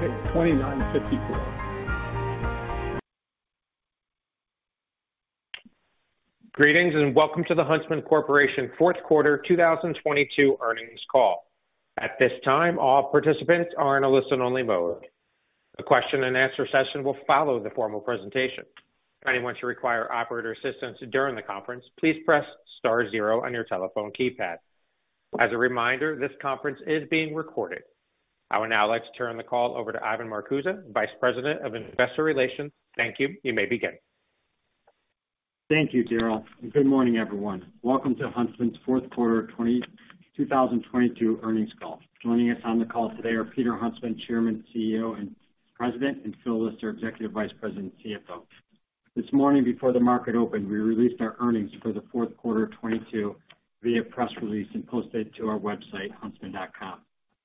Greetings, and welcome to the Huntsman Corporation fourth quarter 2022 earnings call. At this time, all participants are in a listen-only mode. A question and answer session will follow the formal presentation. Anyone to require operator assistance during the conference, please press star 0 on your telephone keypad. As a reminder, this conference is being recorded. I would now like to turn the call over to Ivan Marcuse, Vice President of Investor Relations. Thank you. You may begin. Thank you, Darrel. Good morning, everyone. Welcome to Huntsman's fourth quarter 2022 earnings call. Joining us on the call today are Peter Huntsman, Chairman, CEO, and President, and Phil Lister, Executive Vice President and CFO. This morning before the market opened, we released our earnings for the fourth quarter of 2022 via press release and posted to our website, huntsman.com.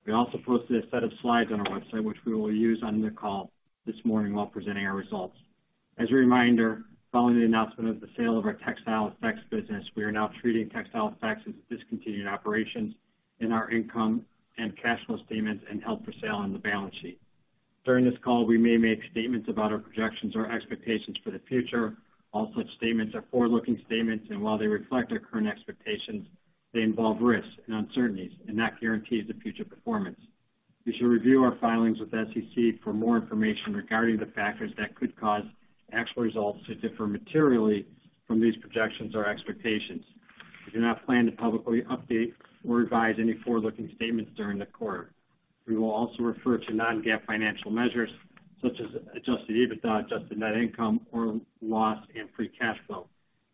We also posted a set of slides on our website, which we will use on the call this morning while presenting our results. As a reminder, following the announcement of the sale of our Textile Effects business, we are now treating Textile Effects as discontinued operations in our income and cash flow statements and held for sale on the balance sheet. During this call, we may make statements about our projections or expectations for the future. All such statements are forward-looking statements, and while they reflect our current expectations, they involve risks and uncertainties and not guarantee the future performance. You should review our filings with SEC for more information regarding the factors that could cause actual results to differ materially from these projections or expectations. We do not plan to publicly update or revise any forward-looking statements during the quarter. We will also refer to non-GAAP financial measures such as Adjusted EBITDA, adjusted net income or loss, and free cash flow.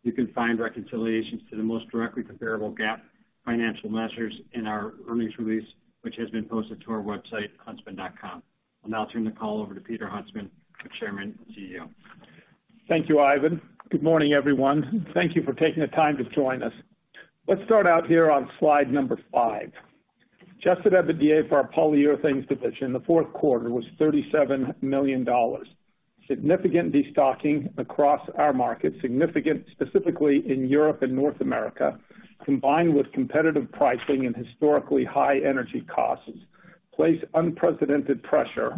You can find reconciliations to the most directly comparable GAAP financial measures in our earnings release, which has been posted to our website, huntsman.com. I'll now turn the call over to Peter Huntsman, Chairman and CEO. Thank you, Ivan. Good morning, everyone. Thank you for taking the time to join us. Let's start out here on slide number five. Adjusted EBITDA for our Polyurethanes division in the fourth quarter was $37 million. Significant destocking across our market, specifically in Europe and North America, combined with competitive pricing and historically high energy costs, placed unprecedented pressure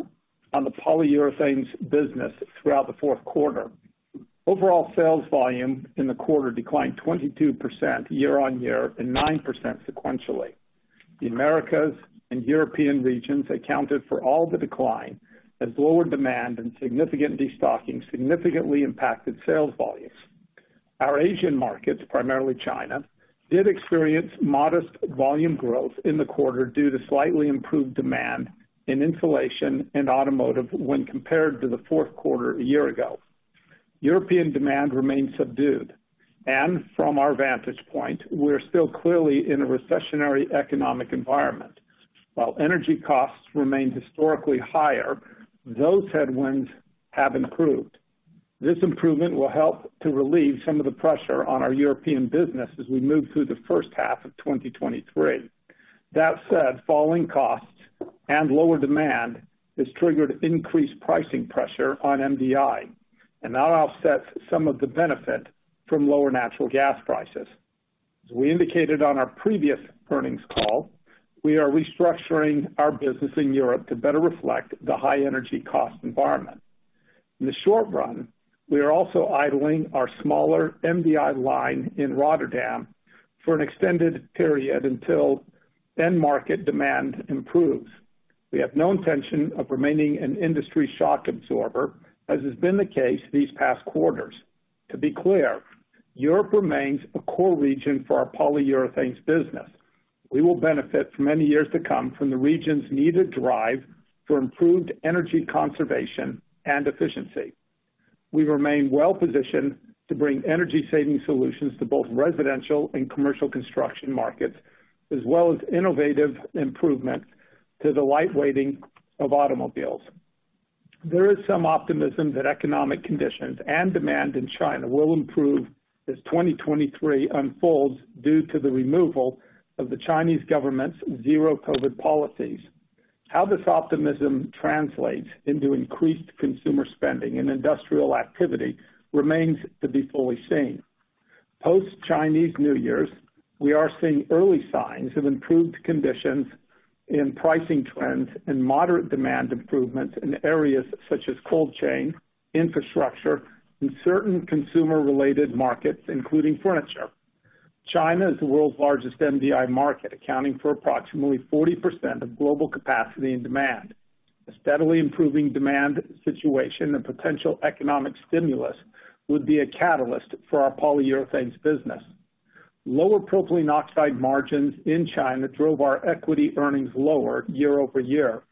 on the Polyurethanes business throughout the fourth quarter. Overall sales volume in the quarter declined 22% year-over-year and 9% sequentially. The Americas and European regions accounted for all the decline as lower demand and significant destocking significantly impacted sales volumes. Our Asian markets, primarily China, did experience modest volume growth in the quarter due to slightly improved demand in insulation and automotive when compared to the fourth quarter a year ago. European demand remains subdued. From our vantage point, we are still clearly in a recessionary economic environment. While energy costs remain historically higher, those headwinds have improved. This improvement will help to relieve some of the pressure on our European business as we move through the first half of 2023. That said, falling costs and lower demand has triggered increased pricing pressure on MDI, and that offsets some of the benefit from lower natural gas prices. As we indicated on our previous earnings call, we are restructuring our business in Europe to better reflect the high energy cost environment. In the short run, we are also idling our smaller MDI line in Rotterdam for an extended period until end market demand improves. We have no intention of remaining an industry shock absorber, as has been the case these past quarters. To be clear, Europe remains a core region for our Polyurethanes business. We will benefit for many years to come from the region's needed drive for improved energy conservation and efficiency. We remain well positioned to bring energy saving solutions to both residential and commercial construction markets, as well as innovative improvements to the lightweighting of automobiles. There is some optimism that economic conditions and demand in China will improve as 2023 unfolds due to the removal of the Chinese government's Zero-COVID policies. How this optimism translates into increased consumer spending and industrial activity remains to be fully seen. Post-Chinese New Year's, we are seeing early signs of improved conditions in pricing trends and moderate demand improvements in areas such as cold chain, infrastructure, and certain consumer-related markets, including furniture. China is the world's largest MDI market, accounting for approximately 40% of global capacity and demand. A steadily improving demand situation and potential economic stimulus would be a catalyst for our Polyurethanes business. Lower propylene oxide margins in China drove our equity earnings lower year-over-year.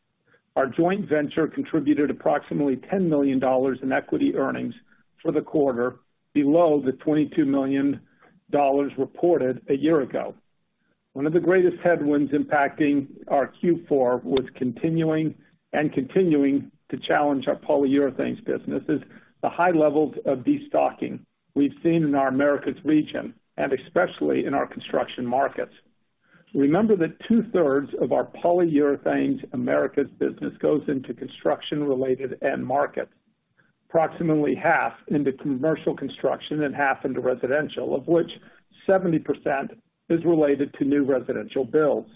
Our joint venture contributed approximately $10 million in equity earnings for the quarter, below the $22 million reported a year ago. One of the greatest headwinds impacting our Q4 and continuing to challenge our Polyurethanes business is the high levels of destocking we've seen in our Americas region and especially in our construction markets. Remember that two-thirds of our Polyurethanes Americas business goes into construction-related end markets. Approximately half into commercial construction and half into residential, of which 70% is related to new residential builds.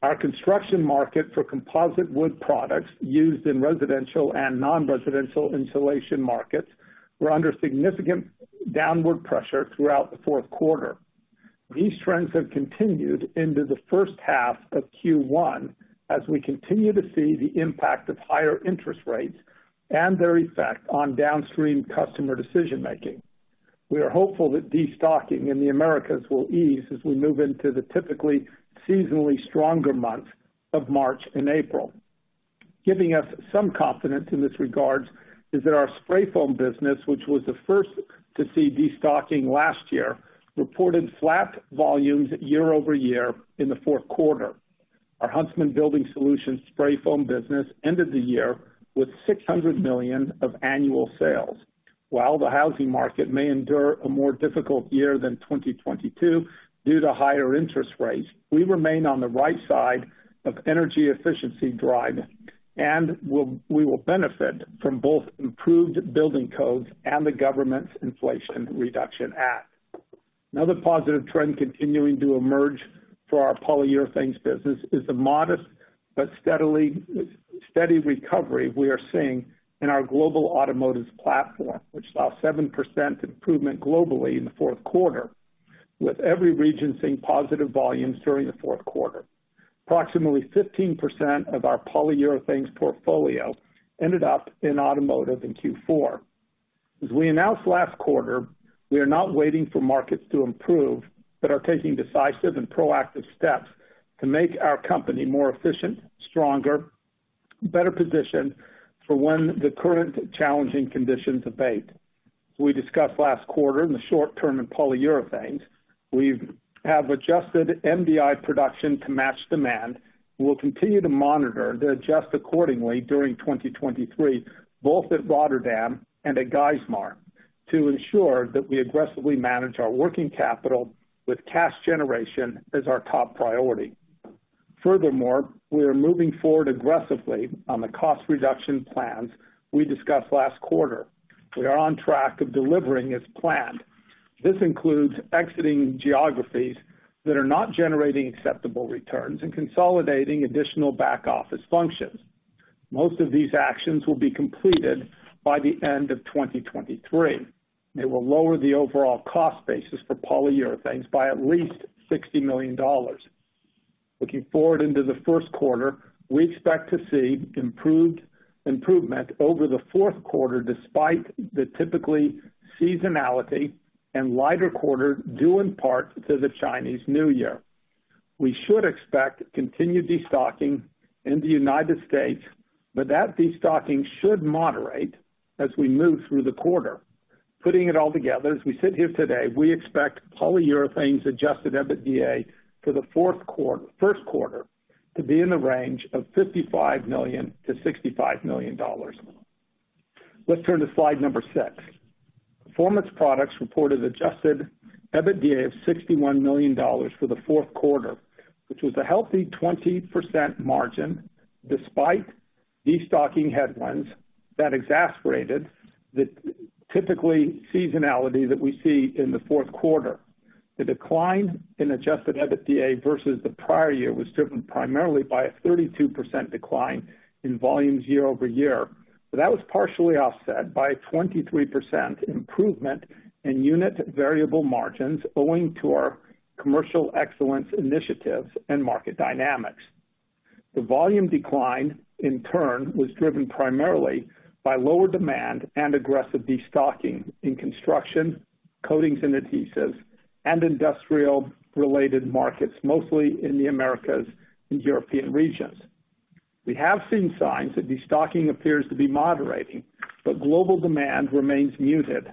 Our construction market for composite wood products used in residential and non-residential insulation markets were under significant downward pressure throughout the fourth quarter. These trends have continued into the first half of Q1 as we continue to see the impact of higher interest rates and their effect on downstream customer decision-making. We are hopeful that destocking in the Americas will ease as we move into the typically seasonally stronger months of March and April. Giving us some confidence in this regards is that our spray foam business, which was the first to see destocking last year, reported flat volumes year-over-year in the fourth quarter. Our Huntsman Building Solutions spray foam business ended the year with $600 million of annual sales. While the housing market may endure a more difficult year than 2022 due to higher interest rates, we remain on the right side of energy efficiency drive, and we will benefit from both improved building codes and the government's Inflation Reduction Act. Another positive trend continuing to emerge for our Polyurethanes business is the modest but steady recovery we are seeing in our global automotive platform, which saw 7% improvement globally in the fourth quarter, with every region seeing positive volumes during the fourth quarter. Approximately 15% of our Polyurethanes portfolio ended up in automotive in Q4. As we announced last quarter, we are not waiting for markets to improve, but are taking decisive and proactive steps to make our company more efficient, stronger, better positioned for when the current challenging conditions abate. We discussed last quarter in the short term in Polyurethanes, we've adjusted MDI production to match demand. We'll continue to monitor to adjust accordingly during 2023, both at Rotterdam and at Geismar, to ensure that we aggressively manage our working capital with cash generation as our top priority. We are moving forward aggressively on the cost reduction plans we discussed last quarter. We are on track of delivering as planned. This includes exiting geographies that are not generating acceptable returns and consolidating additional back-office functions. Most of these actions will be completed by the end of 2023. It will lower the overall cost basis for Polyurethanes by at least $60 million. Looking forward into the first quarter, we expect to see improved over the fourth quarter, despite the typically seasonality and lighter quarter due in part to the Chinese New Year. We should expect continued destocking in the United States. That destocking should moderate as we move through the quarter. Putting it all together, as we sit here today, we expect Polyurethanes Adjusted EBITDA for the first quarter to be in the range of $55 million-$65 million. Let's turn to slide number six. Performance Products reported Adjusted EBITDA of $61 million for the fourth quarter, which was a healthy 20% margin despite destocking headwinds that exacerbated the typical seasonality that we see in the fourth quarter. The decline in Adjusted EBITDA versus the prior year was driven primarily by a 32% decline in volumes year-over-year. That was partially offset by a 23% improvement in unit variable margins owing to our commercial excellence initiatives and market dynamics. The volume decline, in turn, was driven primarily by lower demand and aggressive destocking in construction, coatings and adhesives, and industrial-related markets, mostly in the Americas and European regions. We have seen signs that destocking appears to be moderating, global demand remains muted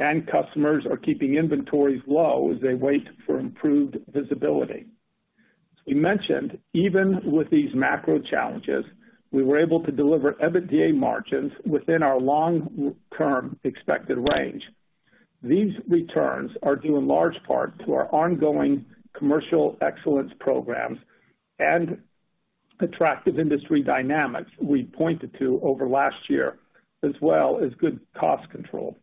and customers are keeping inventories low as they wait for improved visibility. As we mentioned, even with these macro challenges, we were able to deliver EBITDA margins within our long-term expected range. These returns are due in large part to our ongoing commercial excellence programs and attractive industry dynamics we pointed to over last year, as well as good cost control.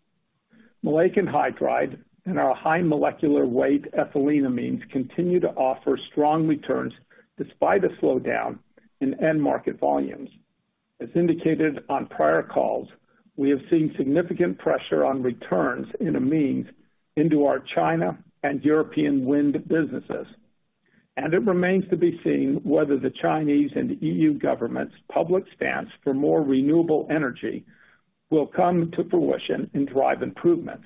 Maleic anhydride and our high molecular weight ethyleneamines continue to offer strong returns despite a slowdown in end market volumes. As indicated on prior calls, we have seen significant pressure on returns in amines into our China and European wind businesses, and it remains to be seen whether the Chinese and EU governments public stance for more renewable energy will come to fruition and drive improvements.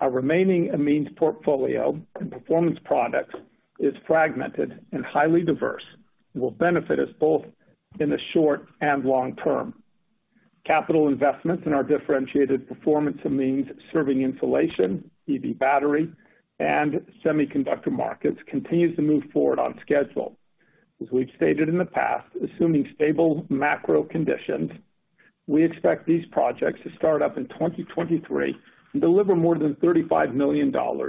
Our remaining amines portfolio and Performance Products is fragmented and highly diverse and will benefit us both in the short and long term. Capital investments in our differentiated performance amines serving insulation, EV battery, and semiconductor markets continues to move forward on schedule. As we've stated in the past, assuming stable macro conditions, we expect these projects to start up in 2023 and deliver more than $35 million of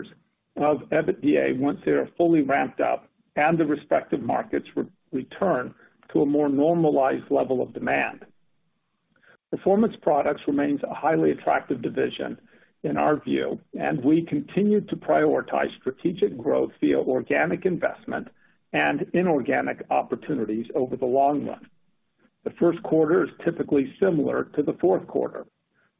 EBITDA once they are fully ramped up and the respective markets return to a more normalized level of demand. Performance Products remains a highly attractive division in our view. We continue to prioritize strategic growth via organic investment and inorganic opportunities over the long run. The first quarter is typically similar to the fourth quarter.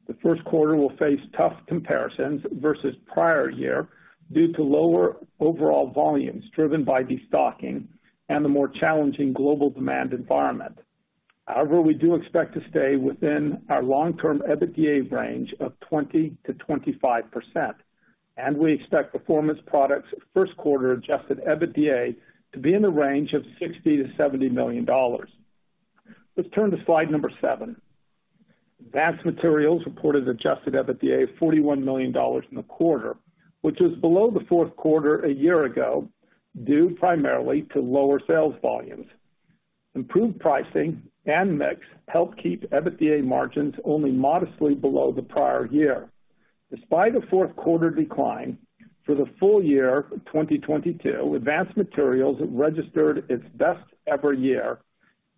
The first quarter will face tough comparisons versus prior year due to lower overall volumes driven by destocking and the more challenging global demand environment. We do expect to stay within our long-term EBITDA range of 20%-25%. We expect Performance Products first quarter Adjusted EBITDA to be in the range of $60 million-$70 million. Let's turn to slide number seven. Advanced Materials reported Adjusted EBITDA of $41 million in the quarter, which is below the fourth quarter a year ago, due primarily to lower sales volumes. Improved pricing and mix helped keep EBITDA margins only modestly below the prior year. Despite a fourt quarter decline, for the full year of 2022, Advanced Materials registered its best ever year.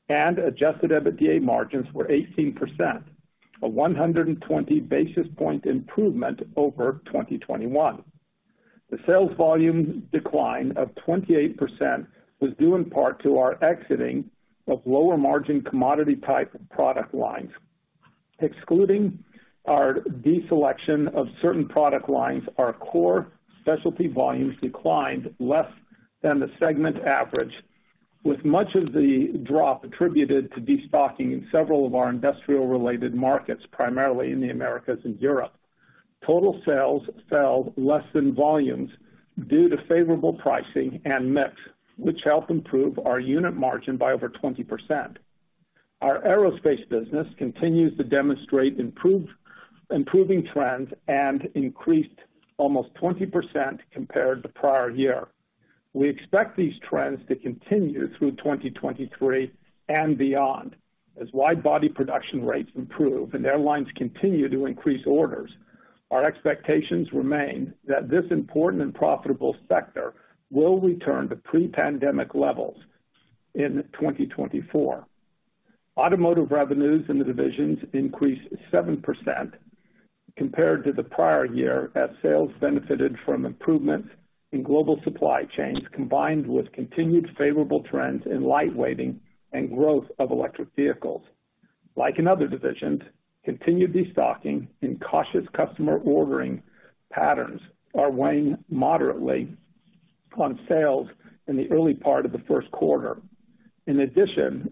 Adjusted EBITDA margins were 18%, a 120 basis point improvement over 2021. The sales volume decline of 28% was due in part to our exiting of lower margin commodity type product lines. Excluding our de-selection of certain product lines, our core specialty volumes declined less than the segment average, with much of the drop attributed to destocking in several of our industrial related markets, primarily in the Americas and Europe. Total sales fell less than volumes due to favorable pricing and mix, which helped improve our unit margin by over 20%. Our aerospace business continues to demonstrate improving trends and increased almost 20% compared to prior year. We expect these trends to continue through 2023 and beyond as wide body production rates improve and airlines continue to increase orders. Our expectations remain that this important and profitable sector will return to pre-pandemic levels in 2024. Automotive revenues in the divisions increased 7% compared to the prior year, as sales benefited from improvements in global supply chains, combined with continued favorable trends in lightweighting and growth of electric vehicles. Like in other divisions, continued destocking and cautious customer ordering patterns are weighing moderately on sales in the early part of the first quarter.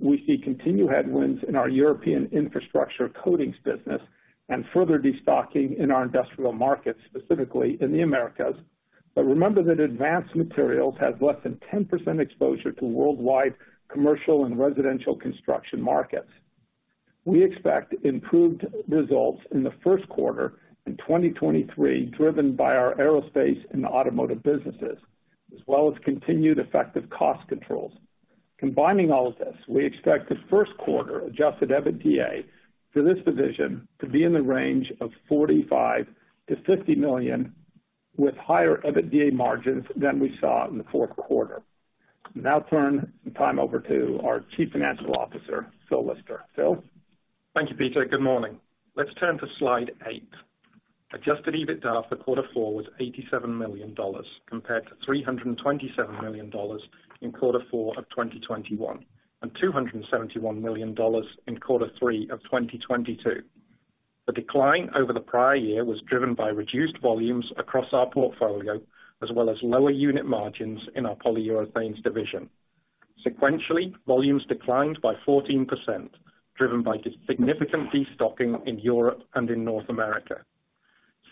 We see continued headwinds in our European infrastructure coatings business and further destocking in our industrial markets, specifically in the Americas. Remember that Advanced Materials has less than 10% exposure to worldwide commercial and residential construction markets. We expect improved results in the first quarter in 2023, driven by our aerospace and automotive businesses, as well as continued effective cost controls. Combining all of this, we expect the first quarter Adjusted EBITDA for this division to be in the range of $45 million-$50 million, with higher EBITDA margins than we saw in the fourth quarter. Turn the time over to our Chief Financial Officer, Phil Lister. Phil? Thank you, Peter. Good morning. Let's turn to slide eight. Adjusted EBITDA for Q4 was $87 million compared to $327 million in Q4 of 2021, and $271 million in Q3 of 2022. The decline over the prior year was driven by reduced volumes across our portfolio, as well as lower unit margins in our Polyurethanes division. Sequentially, volumes declined by 14%, driven by significant destocking in Europe and in North America.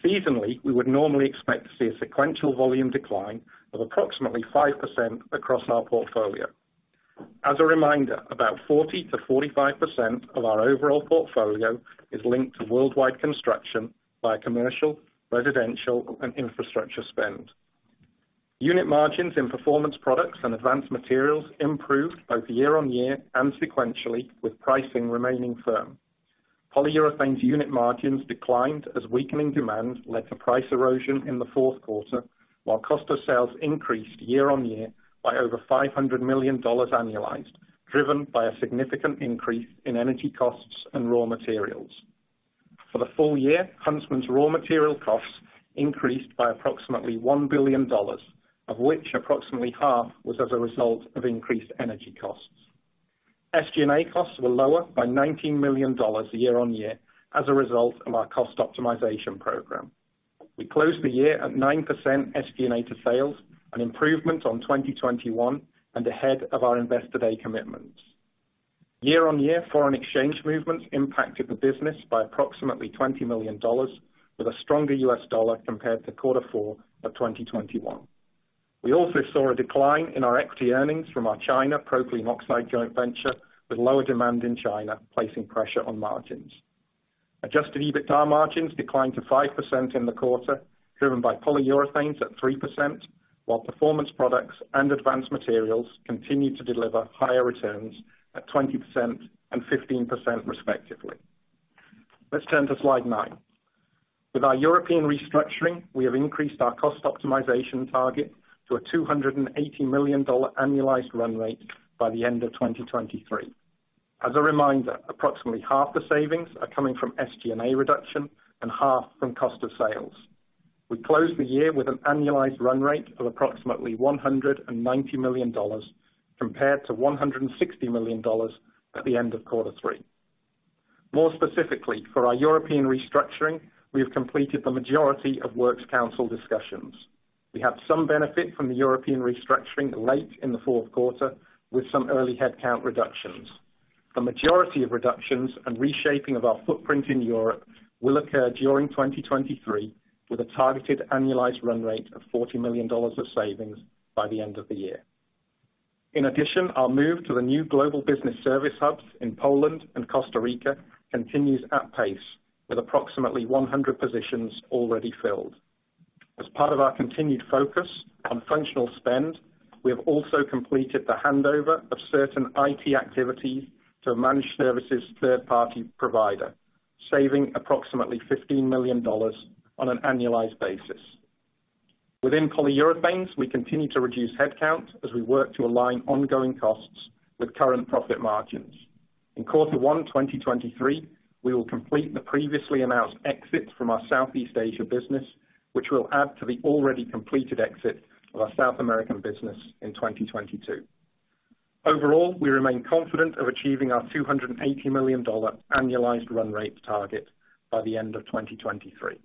Seasonally, we would normally expect to see a sequential volume decline of approximately 5% across our portfolio. As a reminder, about 40%-45% of our overall portfolio is linked to worldwide construction by commercial, residential, and infrastructure spend. Unit margins in Performance Products and Advanced Materials improved both year-on-year and sequentially, with pricing remaining firm. Polyurethanes unit margins declined as weakening demand led to price erosion in the fourth quarter, while cost of sales increased year-on-year by over $500 million annualized, driven by a significant increase in energy costs and raw materials. For the full year, Huntsman's raw material costs increased by approximately $1 billion, of which approximately half was as a result of increased energy costs. SG&A costs were lower by $19 million year-on-year as a result of our cost optimization program. We closed the year at 9% SG&A to sales, an improvement on 2021 and ahead of our Investor Day commitments. Year-on-year foreign exchange movements impacted the business by approximately $20 million, with a stronger U.S. dollar compared to quarter four of 2021. We also saw a decline in our equity earnings from our China propylene oxide joint venture, with lower demand in China placing pressure on margins. Adjusted EBITDA margins declined to 5% in the quarter, driven by Polyurethanes at 3%, while Performance Products and Advanced Materials continued to deliver higher returns at 20% and 15% respectively. Let's turn to slide nine. With our European restructuring, we have increased our cost optimization target to a $280 million annualized run rate by the end of 2023. As a reminder, approximately half the savings are coming from SG&A reduction and half from cost of sales. We closed the year with an annualized run rate of approximately $190 million compared to $160 million at the end of quarter three. More specifically, for our European restructuring, we have completed the majority of works council discussions. We have some benefit from the European restructuring late in the fourth quarter with some early headcount reductions. The majority of reductions and reshaping of our footprint in Europe will occur during 2023, with a targeted annualized run rate of $40 million of savings by the end of the year. In addition, our move to the new global business service hubs in Poland and Costa Rica continues at pace, with approximately 100 positions already filled. As part of our continued focus on functional spend, we have also completed the handover of certain IT activities to a managed services third-party provider, saving approximately $15 million on an annualized basis. Within Polyurethanes, we continue to reduce headcount as we work to align ongoing costs with current profit margins. In quarter one 2023, we will complete the previously announced exit from our Southeast Asia business, which will add to the already completed exit of our South American business in 2022. We remain confident of achieving our $280 million annualized run rate target by the end of 2023.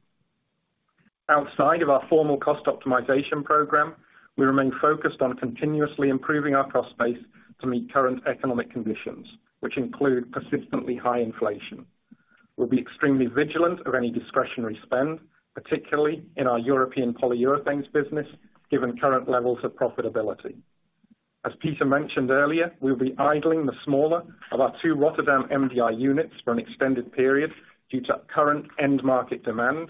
Outside of our formal cost optimization program, we remain focused on continuously improving our cost base to meet current economic conditions, which include persistently high inflation. We'll be extremely vigilant of any discretionary spend, particularly in our European Polyurethanes business, given current levels of profitability. As Peter mentioned earlier, we'll be idling the smaller of our two Rotterdam MDI units for an extended period due to current end market demand,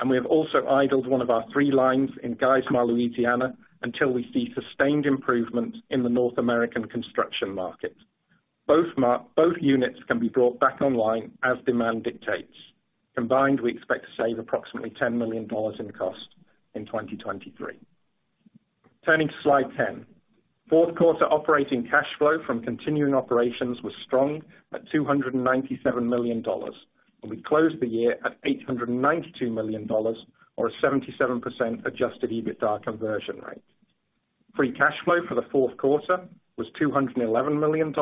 and we have also idled one of our three lines in Geismar, Louisiana, until we see sustained improvement in the North American construction market. Both units can be brought back online as demand dictates. Combined, we expect to save approximately $10 million in cost in 2023. Turning to slide 10. Fourth quarter operating cash flow from continuing operations was strong at $297 million, we closed the year at $892 million or a 77% Adjusted EBITDA conversion rate. Free cash flow for the fourth quarter was $211 million,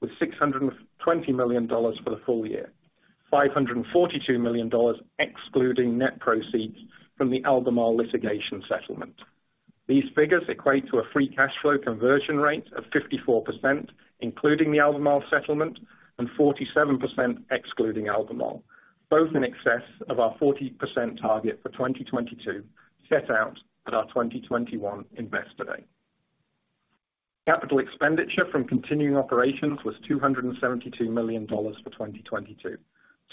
with $620 million for the full year. $542 million excluding net proceeds from the Albemarle litigation settlement. These figures equate to a free cash flow conversion rate of 54%, including the Albemarle settlement, and 47% excluding Albemarle, both in excess of our 40% target for 2022 set out at our 2021 Investor Day. CapEx from continuing operations was $272 million for 2022.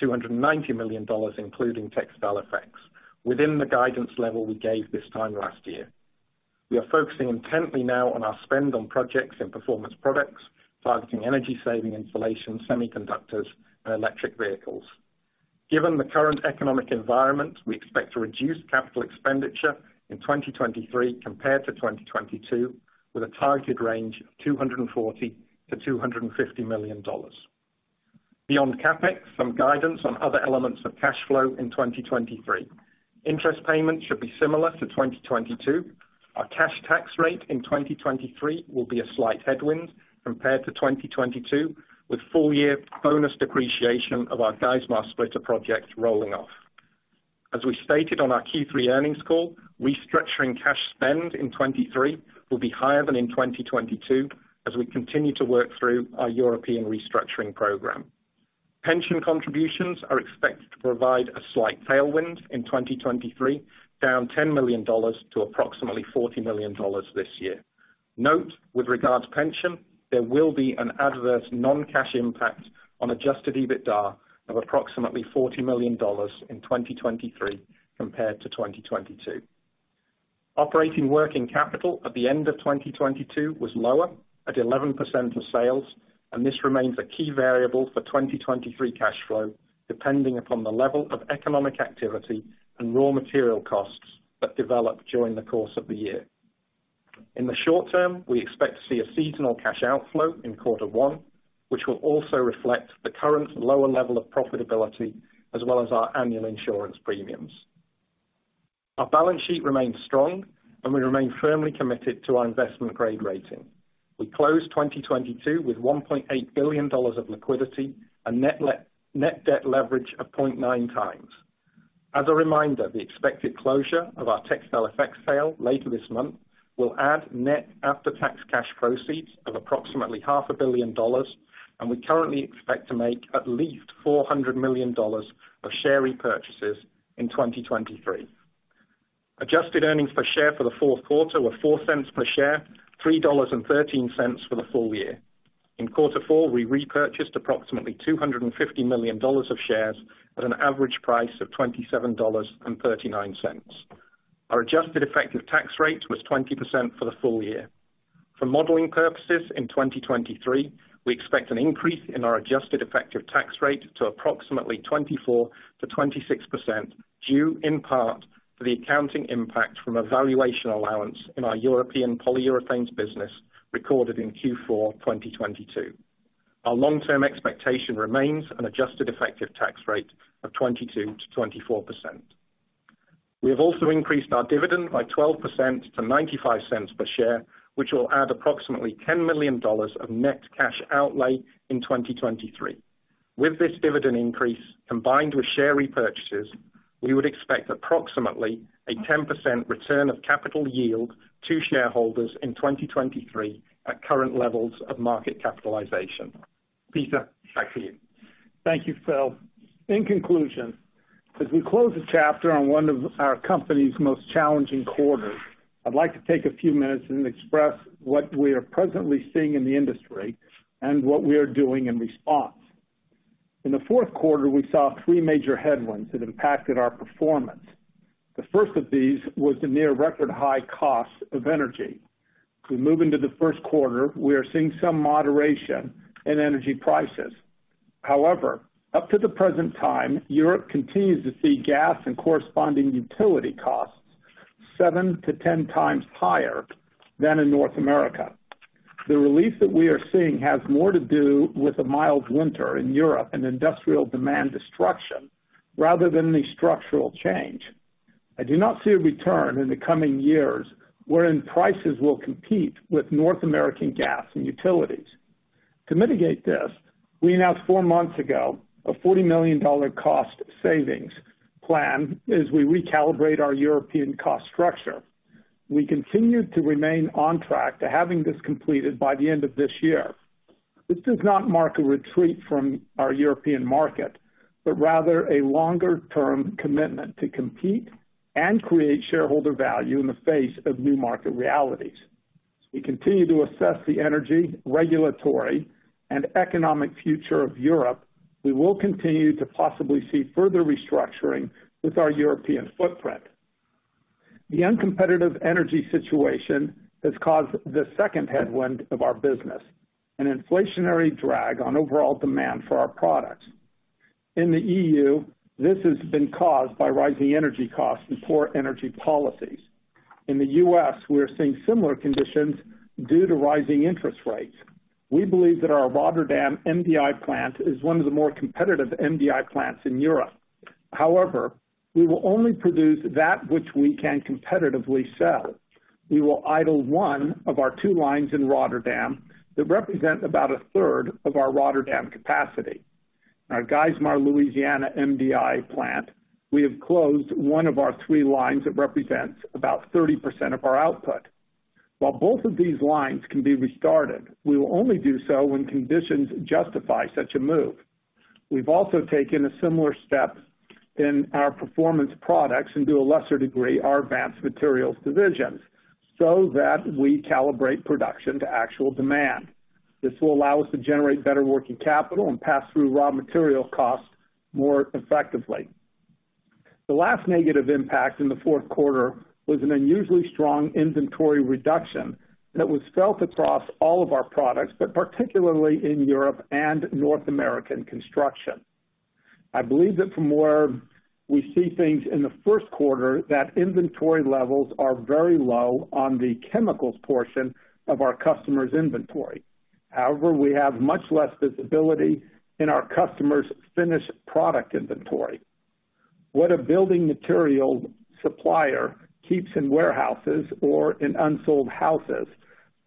$290 million, including Textile Effects, within the guidance level we gave this time last year. We are focusing intently now on our spend on projects in Performance Products, targeting energy saving, installation, semiconductors, and electric vehicles. Given the current economic environment, we expect to reduce CapEx in 2023 compared to 2022, with a targeted range of $240 million-$250 million. Beyond CapEx, some guidance on other elements of cash flow in 2023. Interest payments should be similar to 2022. Our cash tax rate in 2023 will be a slight headwind compared to 2022, with full year bonus depreciation of our Geismar splitter project rolling off. We stated on our Q3 earnings call, restructuring cash spend in 2023 will be higher than in 2022 as we continue to work through our European restructuring program. Pension contributions are expected to provide a slight tailwind in 2023, down $10 million to approximately $40 million this year. Note, with regard to pension, there will be an adverse non-cash impact on Adjusted EBITDA of approximately $40 million in 2023 compared to 2022. Operating working capital at the end of 2022 was lower at 11% of sales, this remains a key variable for 2023 cash flow depending upon the level of economic activity and raw material costs that develop during the course of the year. In the short term, we expect to see a seasonal cash outflow in quarter one, which will also reflect the current lower level of profitability as well as our annual insurance premiums. Our balance sheet remains strong, and we remain firmly committed to our investment grade rating. We closed 2022 with $1.8 billion of liquidity and net debt leverage of 0.9x. As a reminder, the expected closure of our Textile Effects sale later this month will add net after-tax cash proceeds of approximately $500 million, and we currently expect to make at least $400 million of share repurchases in 2023. Adjusted earnings per share for the fourth quarter were $0.04 per share, $3.13 for the full year. In quarter four, we repurchased approximately $250 million of shares at an average price of $27.39. Our adjusted effective tax rate was 20% for the full year. For modeling purposes in 2023, we expect an increase in our adjusted effective tax rate to approximately 24%-26%, due in part to the accounting impact from a valuation allowance in our European Polyurethanes business recorded in Q4 2022. Our long-term expectation remains an adjusted effective tax rate of 22%-24%. We have also increased our dividend by 12% to $0.95 per share, which will add approximately $10 million of net cash outlay in 2023. With this dividend increase combined with share repurchases, we would expect approximately a 10% return of capital yield to shareholders in 2023 at current levels of market capitalization. Peter, back to you. Thank you, Phil. In conclusion, as we close the chapter on one of our company's most challenging quarters, I'd like to take a few minutes and express what we are presently seeing in the industry and what we are doing in response. In the fourth quarter, we saw three major headwinds that impacted our performance. The first of these was the near record high cost of energy. As we move into the first quarter, we are seeing some moderation in energy prices. However, up to the present time, Europe continues to see gas and corresponding utility costs seven to 10 times higher than in North America. The relief that we are seeing has more to do with a mild winter in Europe and industrial demand destruction rather than any structural change. I do not see a return in the coming years wherein prices will compete with North American gas and utilities. To mitigate this, we announced four months ago a $40 million cost savings plan as we recalibrate our European cost structure. We continue to remain on track to having this completed by the end of this year. This does not mark a retreat from our European market, but rather a longer term commitment to compete and create shareholder value in the face of new market realities. As we continue to assess the energy, regulatory, and economic future of Europe, we will continue to possibly see further restructuring with our European footprint. The uncompetitive energy situation has caused the second headwind of our business, an inflationary drag on overall demand for our products. In the EU, this has been caused by rising energy costs and poor energy policies. In the U.S., we are seeing similar conditions due to rising interest rates. We believe that our Rotterdam MDI plant is one of the more competitive MDI plants in Europe. We will only produce that which we can competitively sell. We will idle one of our two lines in Rotterdam that represent about a third of our Rotterdam capacity. In our Geismar, Louisiana MDI plant, we have closed one of our three lines that represents about 30% of our output. Both of these lines can be restarted, we will only do so when conditions justify such a move. We've also taken a similar step in our Performance Products, and to a lesser degree, our Advanced Materials divisions, so that we calibrate production to actual demand. This will allow us to generate better working capital and pass through raw material costs more effectively. The last negative impact in the fourth quarter was an unusually strong inventory reduction that was felt across all of our products, but particularly in Europe and North American construction. I believe that from where we see things in the first quarter, that inventory levels are very low on the chemicals portion of our customers' inventory. We have much less visibility in our customers' finished product inventory. What a building material supplier keeps in warehouses or in unsold houses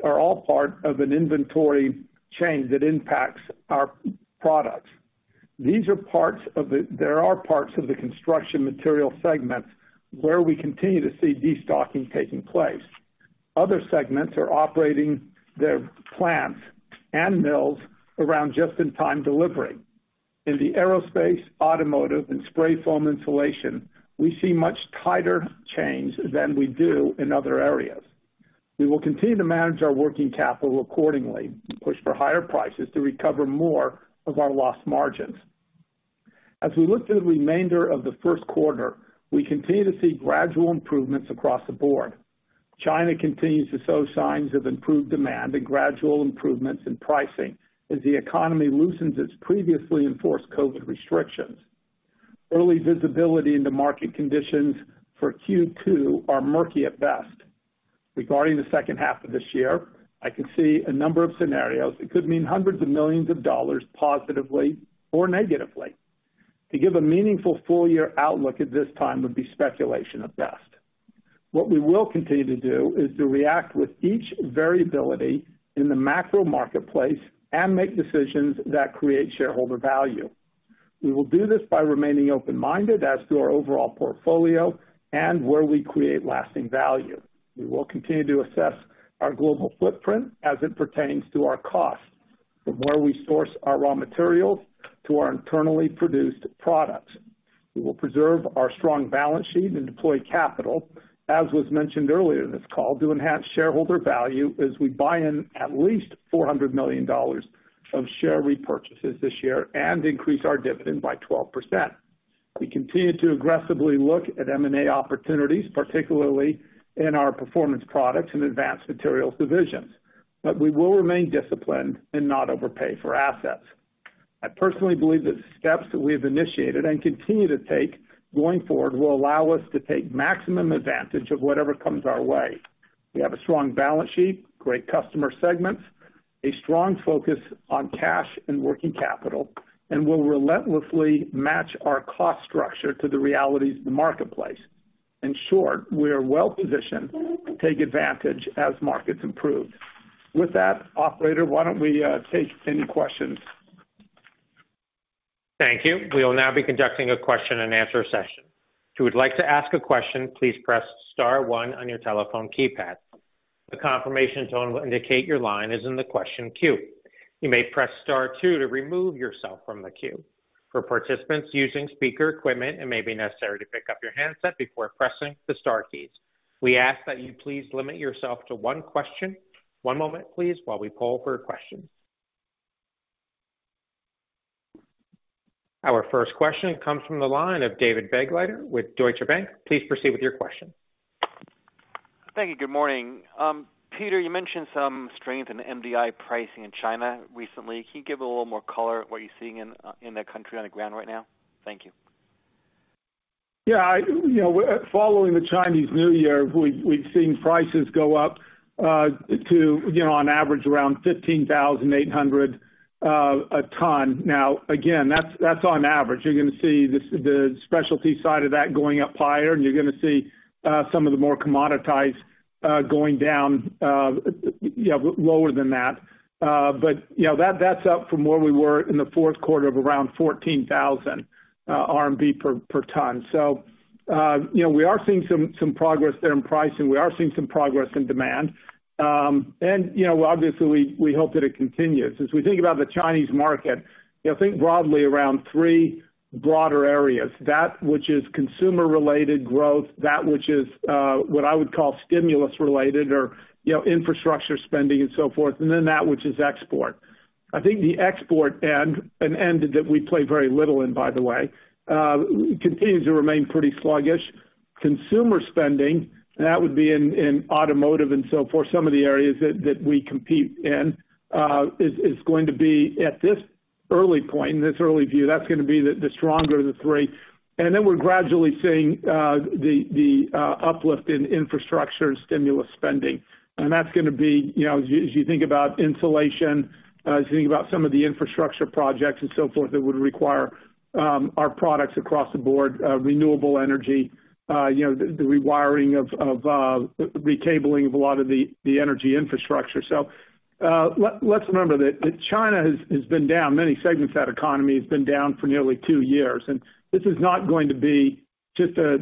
are all part of an inventory chain that impacts our products. There are parts of the construction material segment where we continue to see destocking taking place. Other segments are operating their plants and mills around just-in-time delivery. In the aerospace, automotive, and spray foam insulation, we see much tighter chains than we do in other areas. We will continue to manage our working capital accordingly and push for higher prices to recover more of our lost margins. As we look to the remainder of the first quarter, we continue to see gradual improvements across the board. China continues to show signs of improved demand and gradual improvements in pricing as the economy loosens its previously enforced COVID restrictions. Early visibility into market conditions for Q2 are murky at best. Regarding the second half of this year, I can see a number of scenarios. It could mean hundreds of millions of dollars positively or negatively. To give a meaningful full year outlook at this time would be speculation at best. What we will continue to do is to react with each variability in the macro marketplace and make decisions that create shareholder value. We will do this by remaining open-minded as to our overall portfolio and where we create lasting value. We will continue to assess our global footprint as it pertains to our costs, from where we source our raw materials to our internally produced products. We will preserve our strong balance sheet and deploy capital, as was mentioned earlier in this call, to enhance shareholder value as we buy in at least $400 million of share repurchases this year and increase our dividend by 12%. We continue to aggressively look at M&A opportunities, particularly in our Performance Products and Advanced Materials divisions. We will remain disciplined and not overpay for assets. I personally believe that steps that we have initiated and continue to take going forward will allow us to take maximum advantage of whatever comes our way. We have a strong balance sheet, great customer segments, a strong focus on cash and working capital, and we'll relentlessly match our cost structure to the realities of the marketplace. In short, we are well positioned to take advantage as markets improve. With that, operator, why don't we take any questions? Thank you. We will now be conducting a question-and-answer session. If you would like to ask a question, please press star one on your telephone keypad. The confirmation tone will indicate your line is in the question queue. You may press star two to remove yourself from the queue. For participants using speaker equipment, it may be necessary to pick up your handset before pressing the star keys. We ask that you please limit yourself to one question. One moment, please, while we poll for a question. Our first question comes from the line of David Begleiter with Deutsche Bank. Please proceed with your question. Thank you. Good morning. Peter, you mentioned some strength in MDI pricing in China recently. Can you give a little more color what you're seeing in the country on the ground right now? Thank you. You know, following the Chinese New Year, we've seen prices go up to, you know, on average around 15,800 a ton. Now, again, that's on average. You're gonna see the specialty side of that going up higher, and you're gonna see some of the more commoditized going down, you know, lower than that. You know, that's up from where we were in the fourth quarter of around 14,000 RMB per ton. You know, we are seeing some progress there in pricing. We are seeing some progress in demand. You know, obviously, we hope that it continues. As we think about the Chinese market, you know, think broadly around three broader areas, that which is consumer-related growth, that which is what I would call stimulus-related or, you know, infrastructure spending and so forth, and then that which is export. I think the export end, an end that we play very little in, by the way, continues to remain pretty sluggish. Consumer spending, that would be in automotive and so forth, some of the areas that we compete in, is going to be at this early point, in this early view, that's gonna be the stronger of the three. Then we're gradually seeing the uplift in infrastructure and stimulus spending. That's gonna be, you know, as you, as you think about insulation, as you think about some of the infrastructure projects and so forth that would require our products across the board, renewable energy, you know, the rewiring of, recabling of a lot of the energy infrastructure. Let's remember that China has been down. Many segments of that economy has been down for nearly two years. This is not going to be just a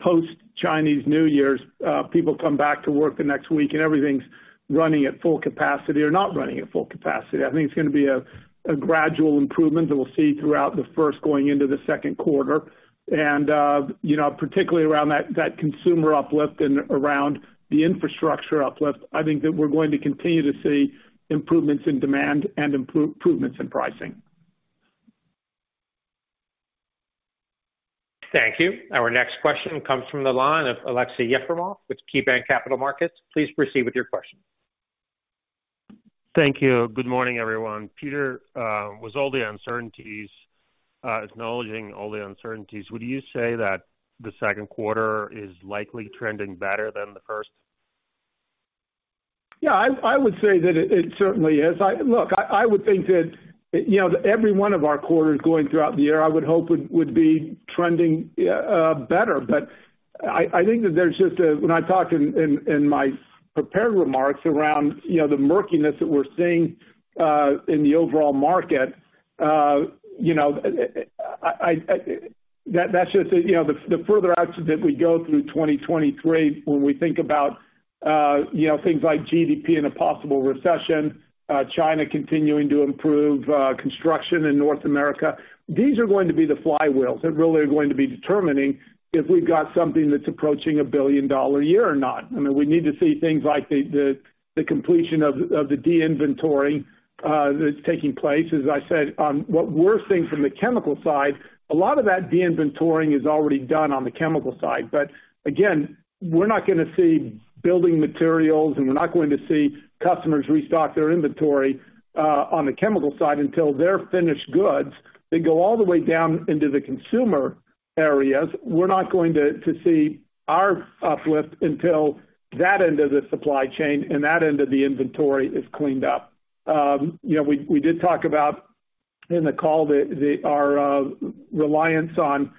post-Chinese New Year, people come back to work the next week and everything's running at full capacity or not running at full capacity. I think it's gonna be a gradual improvement that we'll see throughout the first going into the second quarter. You know, particularly around that consumer uplift and around the infrastructure uplift, I think that we're going to continue to see improvements in demand and improvements in pricing. Thank you. Our next question comes from the line of Aleksey Yefremov with KeyBanc Capital Markets. Please proceed with your question. Thank you. Good morning, everyone. Peter, with all the uncertainties, acknowledging all the uncertainties, would you say that the second quarter is likely trending better than the first? Yeah, I would say that it certainly is. Look, I would think that, you know, every one of our quarters going throughout the year, I would hope would be trending better. I think that there's just. When I talked in my prepared remarks around, you know, the murkiness that we're seeing in the overall market, you know, That's just it. You know, the further out that we go through 2023, when we think about, you know, things like GDP and a possible recession, China continuing to improve, construction in North America, these are going to be the flywheels that really are going to be determining if we've got something that's approaching a billion-dollar year or not. I mean, we need to see things like the completion of the de-inventory that's taking place. As I said, on what we're seeing from the chemical side, a lot of that de-inventoring is already done on the chemical side. Again, we're not gonna see building materials, and we're not going to see customers restock their inventory on the chemical side until their finished goods that go all the way down into the consumer areas. We're not going to see our uplift until that end of the supply chain and that end of the inventory is cleaned up. You know, we did talk about, in the call, our reliance on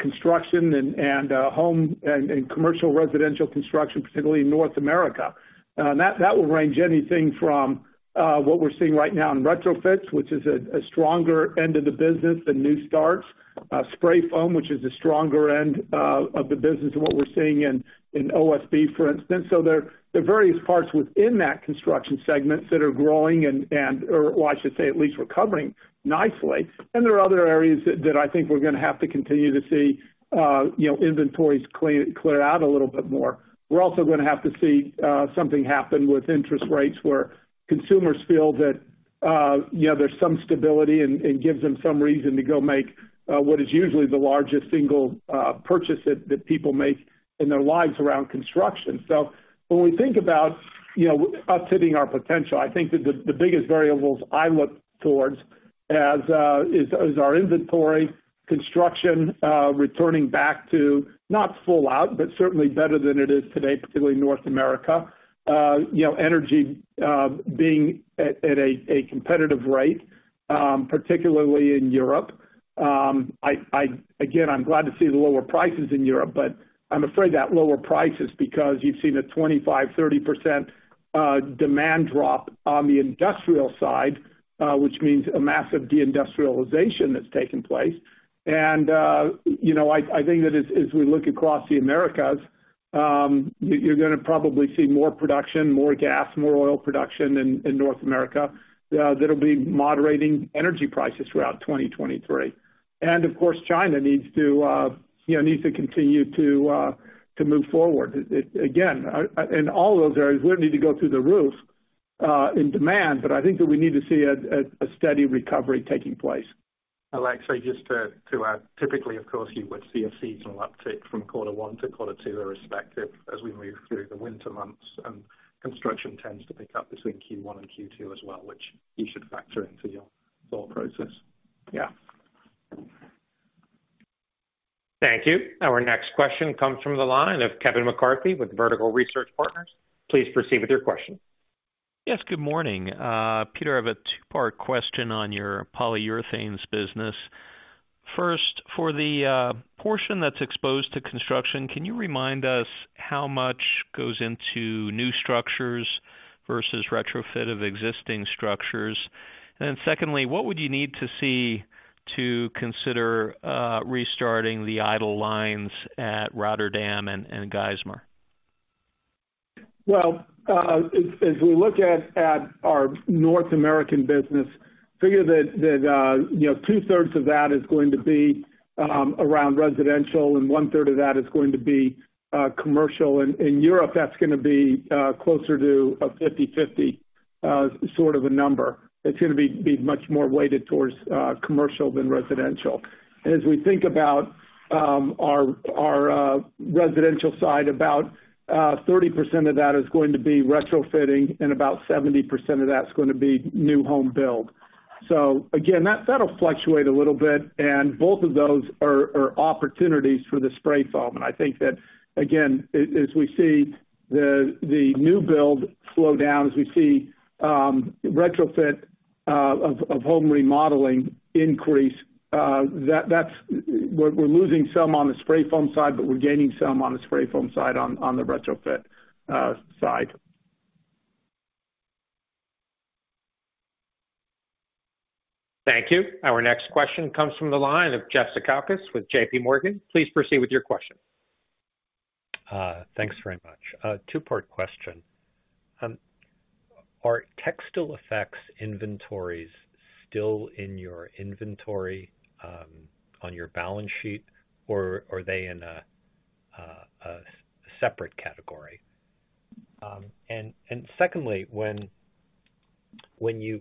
construction and home and commercial residential construction, particularly in North America. That will range anything from what we're seeing right now in retrofits, which is a stronger end of the business than new starts. Spray foam, which is a stronger end of the business than what we're seeing in OSB, for instance. There are various parts within that construction segment that are growing and or I should say, at least recovering nicely. There are other areas that I think we're gonna have to continue to see, you know, inventories clear out a little bit more. We're also gonna have to see something happen with interest rates where consumers feel that, you know, there's some stability and gives them some reason to go make what is usually the largest single purchase that people make in their lives around construction. When we think about, you know, us hitting our potential, I think that the biggest variables I look towards as is our inventory construction returning back to not full out, but certainly better than it is today, particularly North America. You know, energy being at a competitive rate, particularly in Europe. Again, I'm glad to see the lower prices in Europe, but I'm afraid that lower price is because you've seen a 25%-30% demand drop on the industrial side, which means a massive de-industrialization that's taken place. You know, I think that as we look across the Americas, you're gonna probably see more production, more gas, more oil production in North America that'll be moderating energy prices throughout 2023. Of course, China needs to, you know, needs to continue to move forward. Again, in all those areas, we don't need to go through the roof, in demand, but I think that we need to see a steady recovery taking place. Aleksey, just to add, typically, of course, you would see a seasonal uptick from quarter one to quarter two irrespective as we move through the winter months, and construction tends to pick up between Q1 and Q2 as well, which you should factor into your thought process. Yeah. Thank you. Our next question comes from the line of Kevin McCarthy with Vertical Research Partners. Please proceed with your question. Yes, good morning. Peter, I have a two-part question on your Polyurethanes business. First, for the portion that's exposed to construction, can you remind us how much goes into new structures versus retrofit of existing structures? Secondly, what would you need to see to consider restarting the idle lines at Rotterdam and Geismar? Well, as we look at our North American business, figure that, you know, two-thirds of that is going to be around residential and one-third of that is going to be commercial. In Europe, that's gonna be closer to a 50/50 sort of a number. It's gonna be much more weighted towards commercial than residential. As we think about our residential side, about 30% of that is going to be retrofitting and about 70% of that's gonna be new home build. Again, that'll fluctuate a little bit, and both of those are opportunities for the spray foam. I think that again, as we see the new build slow down, as we see retrofit of home remodeling increase, that's we're losing some on the spray foam side, but we're gaining some on the spray foam side on the retrofit side. Thank you. Our next question comes from the line of Jeff Zekauskas with JPMorgan. Please proceed with your question. Thanks very much. A two-part question. Are Textile Effects inventories still in your inventory on your balance sheet, or are they in a separate category? Secondly, when you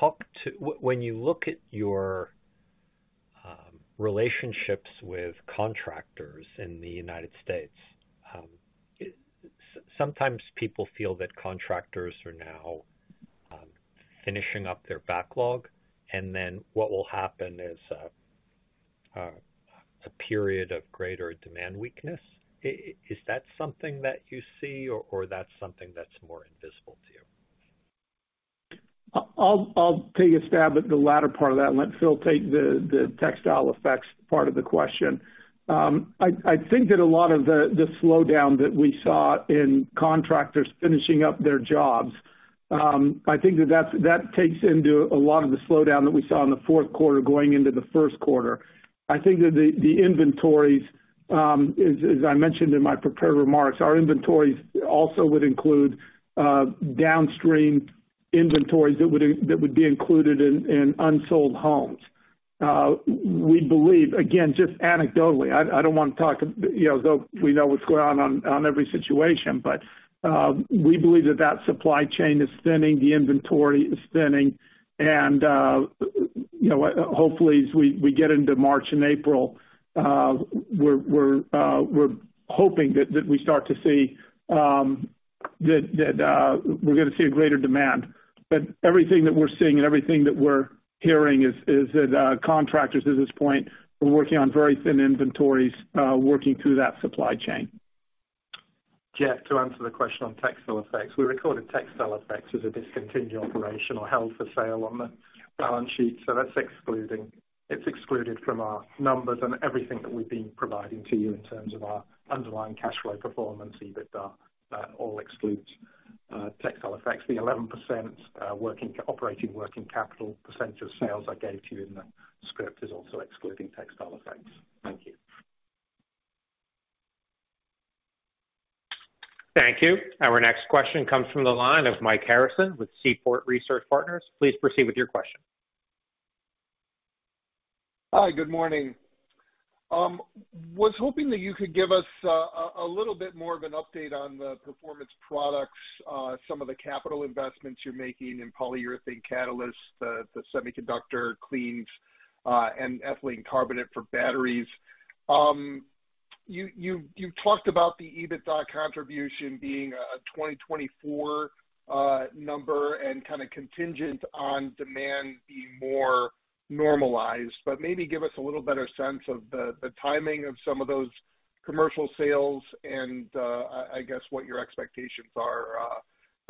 talk to when you look at your relationships with contractors in the United States, sometimes people feel that contractors are now finishing up their backlog, and then what will happen is a period of greater demand weakness. Is that something that you see or that's something that's more invisible to you? I'll take a stab at the latter part of that and let Phil take the Textile Effects part of the question. I think that a lot of the slowdown that we saw in contractors finishing up their jobs, I think that takes into a lot of the slowdown that we saw in the fourth quarter going into the first quarter. I think that the inventories, as I mentioned in my prepared remarks, our inventories also would include downstream inventories that would be included in unsold homes. We believe, again, just anecdotally, I don't wanna talk, you know, as though we know what's going on every situation. We believe that that supply chain is thinning, the inventory is thinning, and, you know, hopefully as we get into March and April, we're hoping that we start to see that we're gonna see a greater demand. Everything that we're seeing and everything that we're hearing is that contractors at this point are working on very thin inventories, working through that supply chain. Jeff, to answer the question on Textile Effects, we recorded Textile Effects as a discontinued operation or held for sale on the balance sheet. It's excluded from our numbers and everything that we've been providing to you in terms of our underlying cash flow performance, EBITDA, all excludes Textile Effects. The 11% operating working capital percentage of sales I gave to you in the script is also excluding Textile Effects. Thank you. Thank you. Our next question comes from the line of Mike Harrison with Seaport Research Partners. Please proceed with your question. Hi, good morning. Was hoping that you could give us a little bit more of an update on the Performance Products, some of the capital investments you're making in polyurethane catalyst, the semiconductor cleans, and ethylene carbonate for batteries. You talked about the EBITDA contribution being a 2024 number and kind of contingent on demand being more normalized. Maybe give us a little better sense of the timing of some of those commercial sales and I guess what your expectations are,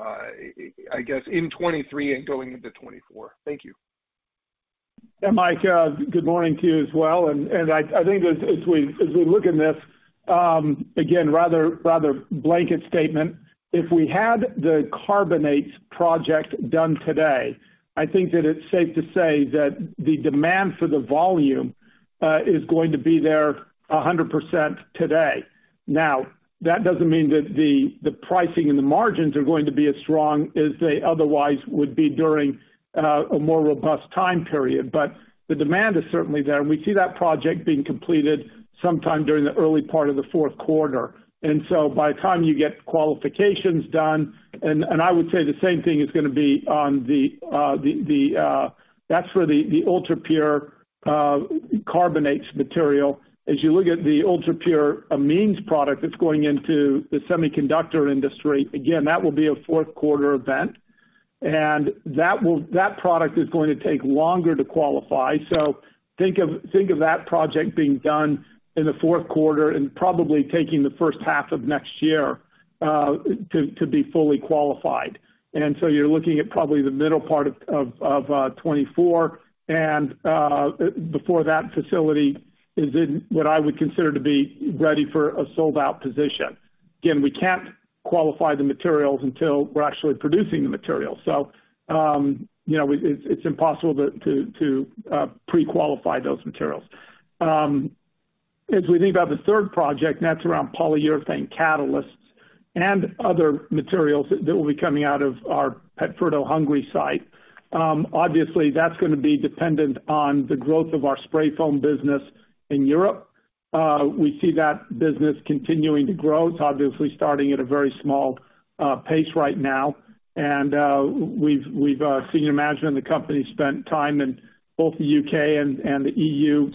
I guess, in 2023 and going into 2024. Thank you. Yeah, Mike, good morning to you as well. I think as we, as we look in this, again, rather blanket statement, if we had the carbonates project done today, I think that it's safe to say that the demand for the volume is going to be there 100% today. Now, that doesn't mean that the pricing and the margins are going to be as strong as they otherwise would be during a more robust time period. The demand is certainly there, and we see that project being completed sometime during the early part of the fourth quarter. So by the time you get the qualifications done... I would say the same thing is gonna be on the that's where the ultra-pure carbonates material. As you look at the ultra-pure amines product that's going into the semiconductor industry, again, that will be a fourth quarter event. That product is going to take longer to qualify. Think of that project being done in the fourth quarter and probably taking the first half of next year, to be fully qualified. You're looking at probably the middle part of 2024 and before that facility is in what I would consider to be ready for a sold-out position. Again, we can't qualify the materials until we're actually producing the material. You know, it's impossible to pre-qualify those materials. As we think about the third project, and that's around polyurethane catalysts and other materials that will be coming out of our Pétfürdő, Hungary site, obviously, that's gonna be dependent on the growth of our spray foam business in Europe. We see that business continuing to grow. It's obviously starting at a very small pace right now. We've senior management in the company spent time in both the U.K. and the EU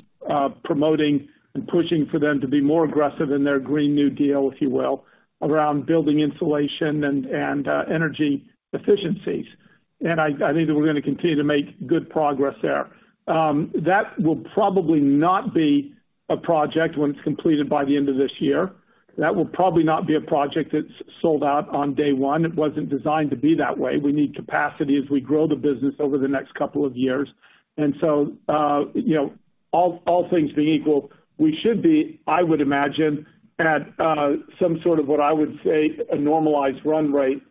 promoting and pushing for them to be more aggressive in their Green New Deal, if you will, around building insulation and energy efficiencies. I think that we're gonna continue to make good progress there. That will probably not be a project when it's completed by the end of this year. That will probably not be a project that's sold out on day one. It wasn't designed to be that way. We need capacity as we grow the business over the next couple of years. You know, all things being equal, we should be, I would imagine, at some sort of what I would say a normalized run rate,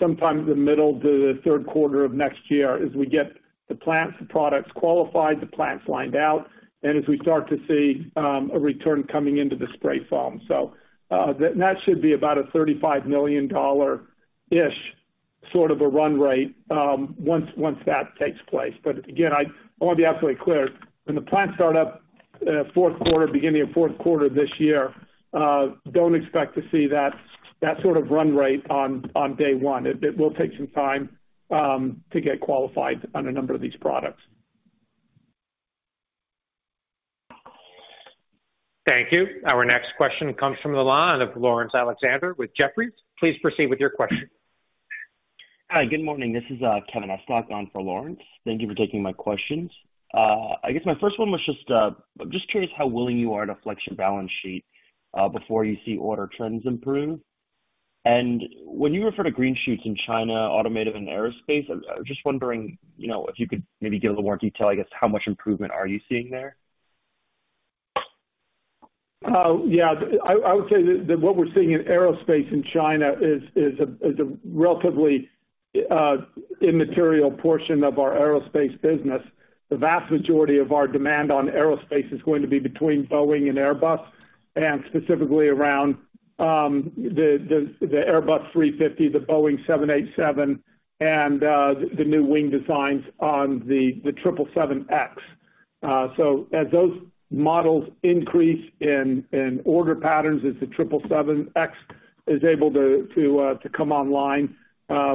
sometime in the third quarter of next year as we get the plants, the products qualified, the plants lined out, and as we start to see a return coming into the spray foam. That should be about a $35 million-ish sort of a run rate, once that takes place. Again, I wanna be absolutely clear. When the plants start up, fourth quarter, beginning of fourth quarter this year, don't expect to see that sort of run rate on day one. It will take some time to get qualified on a number of these products. Thank you. Our next question comes from the line of Laurence Alexander with Jefferies. Please proceed with your question. Hi, good morning. This is Kevin Estok on for Laurence Alexander. Thank you for taking my questions. I guess my first one was just, I'm just curious how willing you are to flex your balance sheet before you see order trends improve. When you refer to green shoots in China, automotive, and aerospace, I was just wondering, you know, if you could maybe give a little more detail, I guess, how much improvement are you seeing there? Yeah. I would say that what we're seeing in aerospace in China is a relatively immaterial portion of our aerospace business. The vast majority of our demand on aerospace is going to be between Boeing and Airbus, and specifically around the Airbus A350, the Boeing 787, and the new wing designs on the 777X. As those models increase in order patterns as the 777X is able to come online,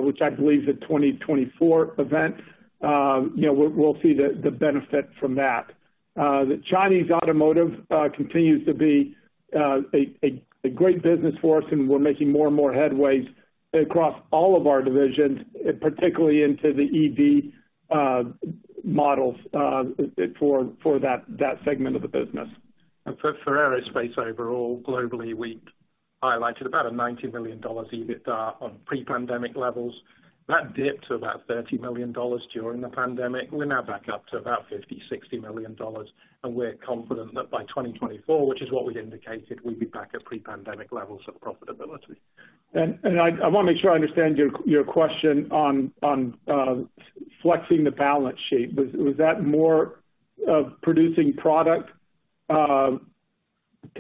which I believe is a 2024 event, you know, we'll see the benefit from that. The Chinese automotive continues to be a great business for us, and we're making more and more headways across all of our divisions, particularly into the EV models for that segment of the business. For aerospace overall, globally, we highlighted about a $90 million EBITDA on pre-pandemic levels. That dipped to about $30 million during the pandemic. We're now back up to about $50 million-$60 million, and we're confident that by 2024, which is what we'd indicated, we'd be back at pre-pandemic levels of profitability. I wanna make sure I understand your question on flexing the balance sheet. Was that more of producing product to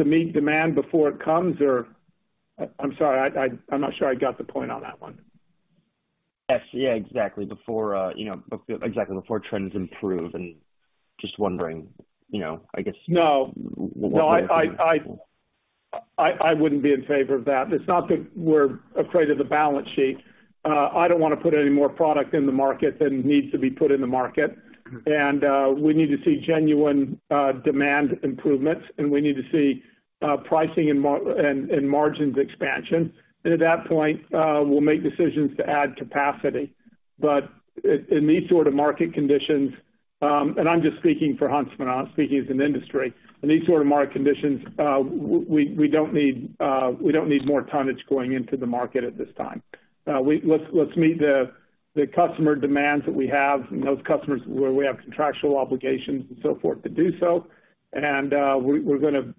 meet demand before it comes? I'm sorry. I'm not sure I got the point on that one. Yes. Yeah, exactly. Before, you know, exactly before trends improve and just wondering, you know... No. No, I wouldn't be in favor of that. It's not that we're afraid of the balance sheet. I don't wanna put any more product in the market than needs to be put in the market. We need to see genuine demand improvements, and we need to see pricing and margins expansion. At that point, we'll make decisions to add capacity. In these sort of market conditions, and I'm just speaking for Huntsman, I'm not speaking as an industry. In these sort of market conditions, we don't need more tonnage going into the market at this time. Let's meet the customer demands that we have and those customers where we have contractual obligations and so forth to do so. We're gonna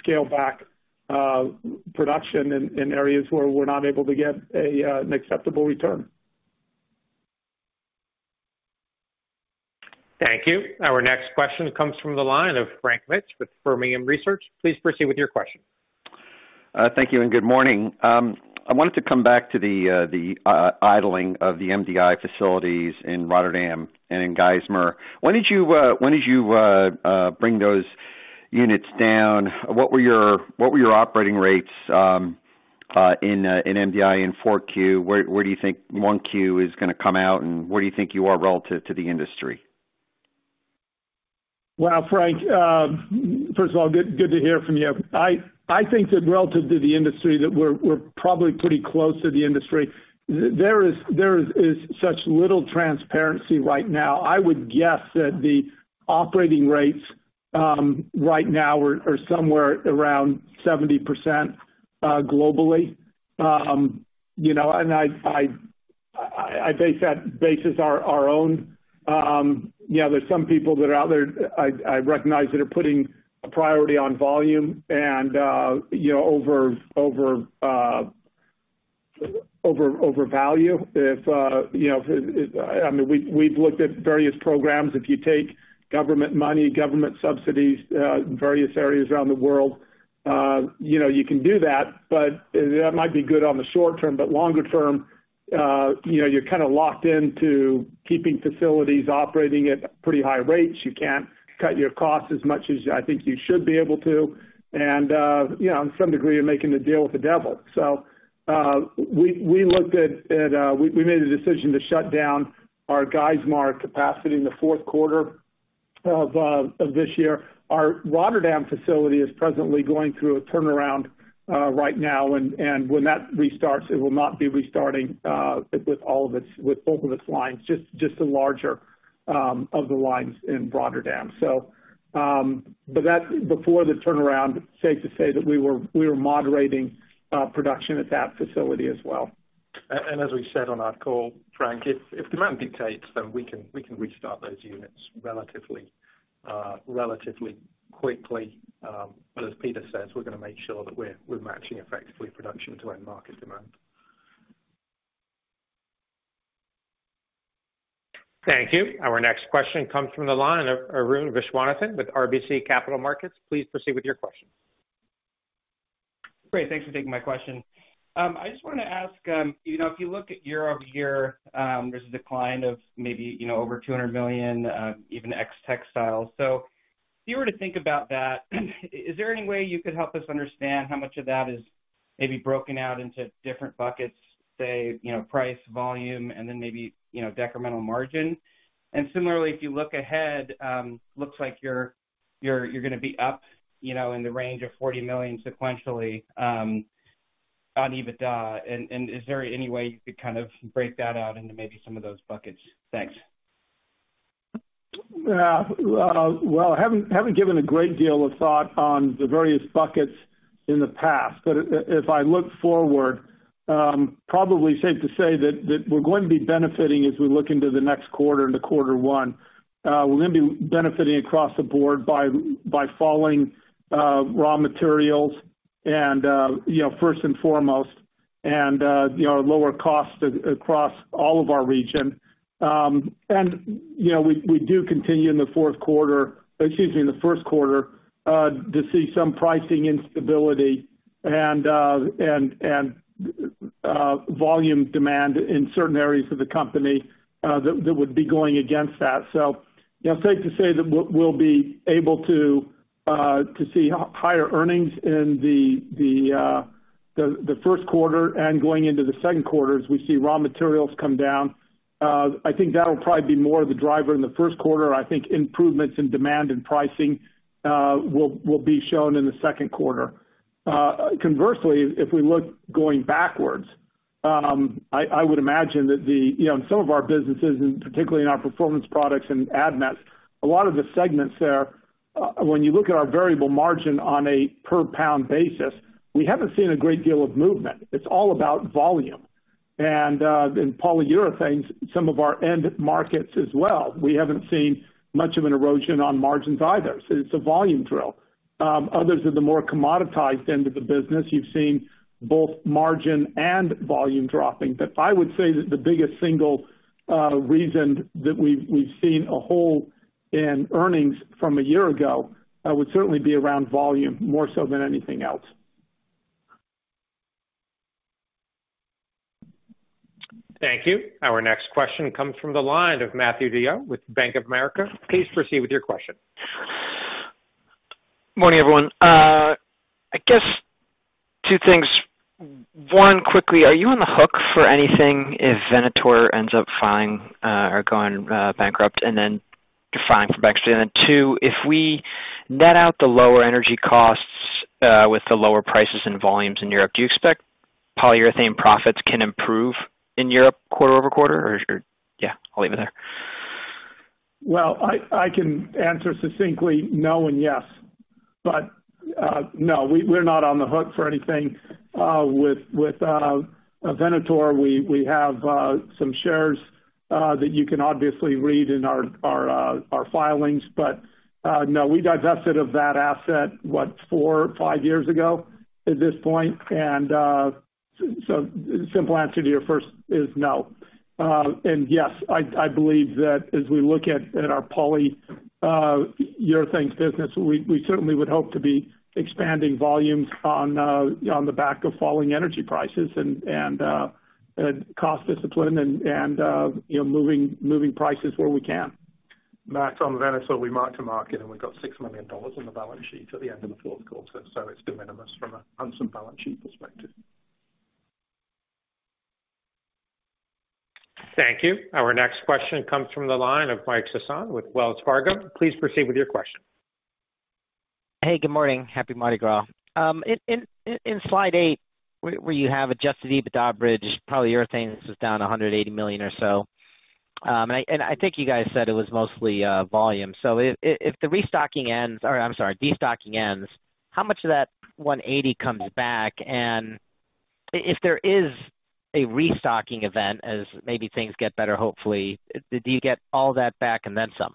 scale back production in areas where we're not able to get a, an acceptable return. Thank you. Our next question comes from the line of Frank Mitsch with Fermium Research. Please proceed with your question. Thank you and good morning. I wanted to come back to the idling of the MDI facilities in Rotterdam and in Geismar. When did you bring those units down? What were your operating rates in MDI in 4Q? Where do you think 1Q is gonna come out, and where do you think you are relative to the industry? Well, Frank, first of all, good to hear from you. I think that relative to the industry that we're probably pretty close to the industry. There is such little transparency right now. I would guess that the operating rates right now are somewhere around 70% globally. You know, I base that basis our own. You know, there's some people that are out there I recognize that are putting a priority on volume and, you know, over value. If, you know, I mean, we've looked at various programs. If you take government money, government subsidies in various areas around the world, you know, you can do that, but that might be good on the short term, but longer term, you know, you're kinda locked into keeping facilities operating at pretty high rates. You can't cut your costs as much as I think you should be able to. You know, in some degree, you're making the deal with the devil. We looked at... we made a decision to shut down our Geismar capacity in the fourth quarter of this year. Our Rotterdam facility is presently going through a turnaround right now. When that restarts, it will not be restarting with all of its, with both of its lines, just the larger of the lines in Rotterdam. But that before the turnaround, safe to say that we were moderating production at that facility as well. As we said on our call, Frank, if demand dictates, then we can restart those units relatively quickly. As Peter says, we're gonna make sure that we're matching effectively production to end market demand. Thank you. Our next question comes from the line of Arun Viswanathan with RBC Capital Markets. Please proceed with your question. Great. Thanks for taking my question. I just wanted to ask, you know, if you look at year-over-year, there's a decline of maybe, you know, over $200 million, even ex textiles. If you were to think about that, is there any way you could help us understand how much of that is maybe broken out into different buckets, say, you know, price, volume, and then maybe, you know, decremental margin? Similarly, if you look ahead, looks like you're gonna be up, you know, in the range of $40 million sequentially, on EBITDA. Is there any way you could kind of break that out into maybe some of those buckets? Thanks. Yeah. Well, I haven't given a great deal of thought on the various buckets in the past, but if I look forward, probably safe to say that we're going to be benefiting as we look into the next quarter, into quarter one. We're gonna be benefiting across the board by falling raw materials and, you know, first and foremost, and, you know, lower costs across all of our region. You know, we do continue in the fourth quarter, excuse me, in the first quarter, to see some pricing instability and volume demand in certain areas of the company, that would be going against that. You know, safe to say that we'll be able to see higher earnings in the first quarter and going into the second quarter as we see raw materials come down. I think that'll probably be more of the driver in the first quarter. I think improvements in demand and pricing will be shown in the second quarter. Conversely, if we look going backwards, I would imagine. You know, in some of our businesses, and particularly in our Performance Products and Advanced Materials, a lot of the segments there, when you look at our variable margin on a per pound basis, we haven't seen a great deal of movement. It's all about volume. In Polyurethanes, some of our end markets as well, we haven't seen much of an erosion on margins either. It's a volume drill. Others at the more commoditized end of the business, you've seen both margin and volume dropping. I would say that the biggest single reason that we've seen a hole in earnings from a year ago would certainly be around volume more so than anything else. Thank you. Our next question comes from the line of Matthew DeYoe with Bank of America. Please proceed with your question. Morning, everyone. I guess two things. One, quickly, are you on the hook for anything if Venator ends up filing, or going bankrupt and then you're filing for bankruptcy? Two, if we net out the lower energy costs, with the lower prices and volumes in Europe, do you expect polyurethane profits can improve in Europe quarter-over-quarter? Or yeah, I'll leave it there. I can answer succinctly no and yes. No, we're not on the hook for anything with Venator. We have some shares that you can obviously read in our filings. No, we divested of that asset, what, four or five years ago at this point. Simple answer to your first is no. Yes, I believe that as we look at our Polyurethanes business, we certainly would hope to be expanding volumes on the back of falling energy prices and cost discipline and, you know, moving prices where we can. Matt, on Venator, we mark to market, and we've got $6 million in the balance sheet at the end of the fourth quarter, so it's de minimis from a Huntsman balance sheet perspective. Thank you. Our next question comes from the line of Mike Sison with Wells Fargo. Please proceed with your question. Hey, good morning. Happy Mardi Gras. In slide eight, where you have Adjusted EBITDA bridge, polyurethane, this was down $180 million or so. I think you guys said it was mostly volume. If the restocking ends, or I'm sorry, destocking ends, how much of that $180 comes back? If there is a restocking event as maybe things get better, hopefully, do you get all that back and then some?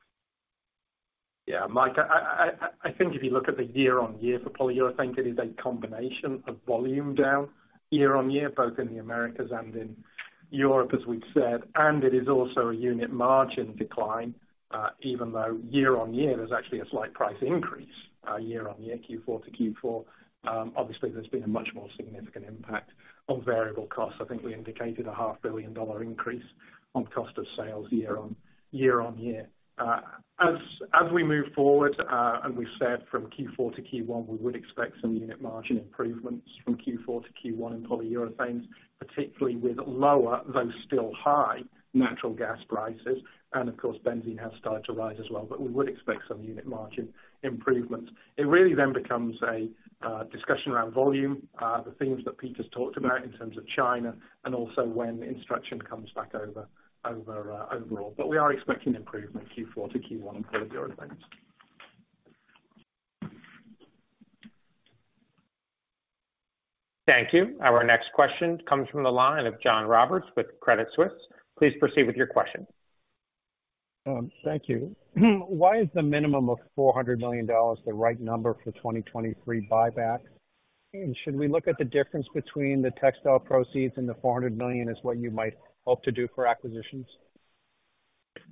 Mike, I think if you look at the year-over-year for Polyurethanes, it is a combination of volume down year-over-year, both in the Americas and in Europe, as we've said, and it is also a unit margin decline, even though year-over-year there's actually a slight price increase, year-over-year, Q4 to Q4. Obviously there's been a much more significant impact on variable costs. I think we indicated a $0.5 billion increase on cost of sales year-over-year. As we move forward, we've said from Q4 to Q1, we would expect some unit margin improvements from Q4 to Q1 in Polyurethanes, particularly with lower, though still high, natural gas prices. Of course, benzene has started to rise as well, we would expect some unit margin improvements. It really then becomes a discussion around volume, the themes that Peter's talked about in terms of China, and also when instruction comes back over overall. We are expecting improvement Q4 to Q1 in Polyurethanes. Thank you. Our next question comes from the line of John Roberts with Credit Suisse. Please proceed with your question. Thank you. Why is the minimum of $400 million the right number for 2023 buyback? Should we look at the difference between the textile proceeds and the $400 million as what you might hope to do for acquisitions?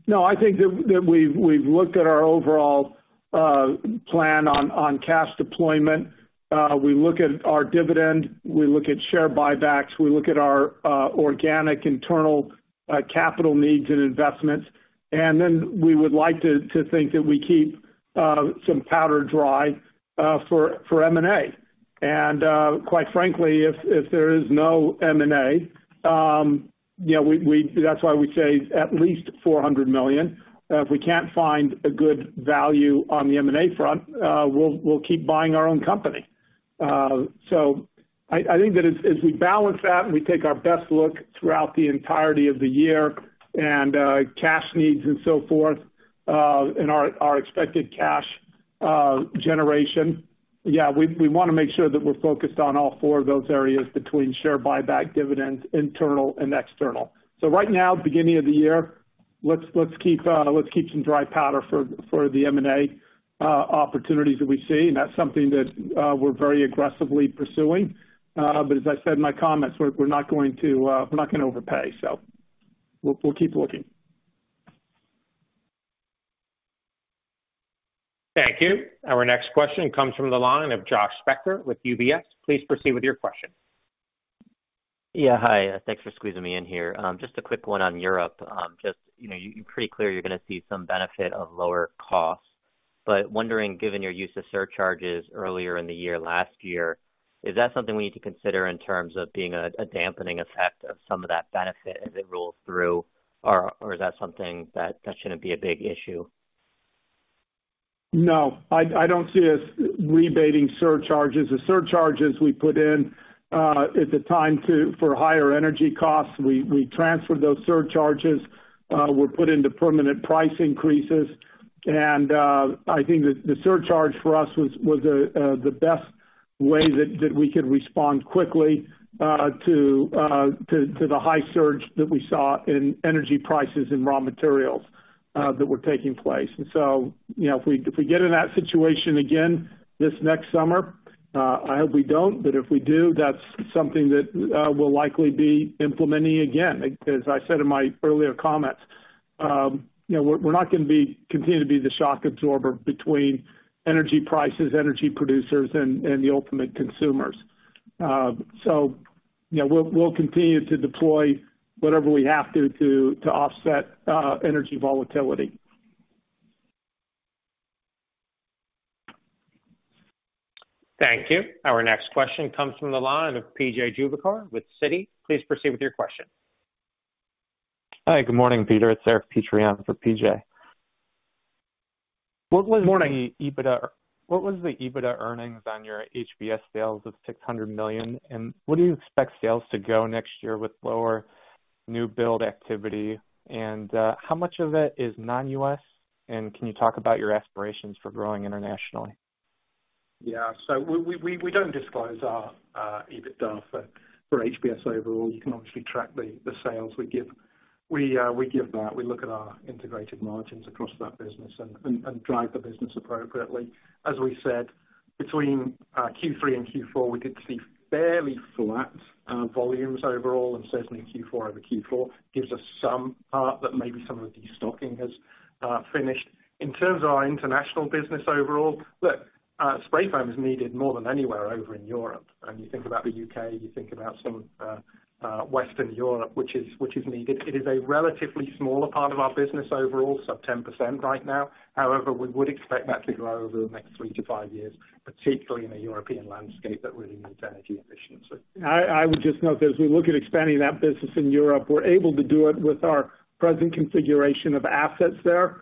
No, I think that we've looked at our overall plan on cash deployment. We look at our dividend, we look at share buybacks, we look at our organic internal capital needs and investments. Then we would like to think that we keep some powder dry for M&A. Quite frankly, if there is no M&A, you know, that's why we say at least $400 million. If we can't find a good value on the M&A front, we'll keep buying our own company. I think that as we balance that, we take our best look throughout the entirety of the year and cash needs and so forth, and our expected cash generation. Yeah, we wanna make sure that we're focused on all four of those areas between share buyback, dividends, internal and external. Right now, beginning of the year, let's keep some dry powder for the M&A opportunities that we see. That's something that we're very aggressively pursuing. As I said in my comments, we're not going to, we're not gonna overpay. We'll keep looking. Thank you. Our next question comes from the line of Josh Spector with UBS. Please proceed with your question. Yeah. Hi. Thanks for squeezing me in here. Just a quick one on Europe. Just, you know, you're pretty clear you're gonna see some benefit of lower costs. Wondering, given your use of surcharges earlier in the year, last year, is that something we need to consider in terms of being a dampening effect of some of that benefit as it rolls through? Is that something that shouldn't be a big issue? No, I don't see us rebating surcharges. The surcharges we put in at the time for higher energy costs. We transferred those surcharges were put into permanent price increases. I think that the surcharge for us was the best way that we could respond quickly to the high surge that we saw in energy prices and raw materials that were taking place. You know, if we get in that situation again this next summer, I hope we don't, but if we do, that's something that we'll likely be implementing again. As I said in my earlier comments, you know, we're not gonna continue to be the shock absorber between energy prices, energy producers and the ultimate consumers. You know, we'll continue to deploy whatever we have to offset energy volatility. Thank you. Our next question comes from the line of P.J. Juvekar with Citi. Please proceed with your question. Hi. Good morning, Peter. It's Eric Petrie for P.J. Morning. What was the EBITDA earnings on your HBS sales of $600 million? What do you expect sales to go next year with lower new build activity? How much of it is non-U.S.? Can you talk about your aspirations for growing internationally? Yeah. We don't disclose our EBITDA for HBS overall. You can obviously track the sales we give. We give that. We look at our integrated margins across that business and drive the business appropriately. As we said, between Q3 and Q4, we did see fairly flat volumes overall and certainly Q4 over Q4 gives us some that maybe some of the stocking has finished. In terms of our international business overall, look, spray foam is needed more than anywhere over in Europe. You think about the U.K., you think about some Western Europe, which is needed. It is a relatively smaller part of our business overall, sub 10% right now. However, we would expect that to grow over the next three to five years, particularly in a European landscape that really needs energy efficiency. I would just note as we look at expanding that business in Europe, we're able to do it with our present configuration of assets there,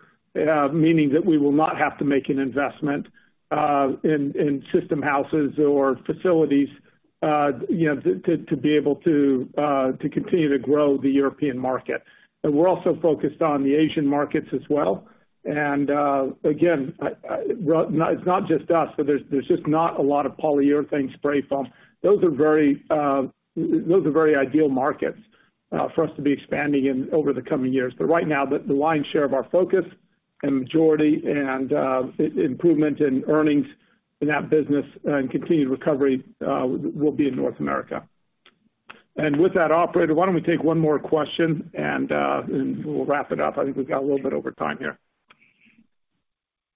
meaning that we will not have to make an investment in system houses or facilities, you know, to be able to continue to grow the European market. We're also focused on the Asian markets as well. Again, it's not just us, there's just not a lot of polyurethane spray foam. Those are very, those are very ideal markets for us to be expanding in over the coming years. Right now, the lion's share of our focus and majority and improvement in earnings in that business and continued recovery will be in North America. With that, operator, why don't we take one more question and we'll wrap it up. I think we've got a little bit over time here.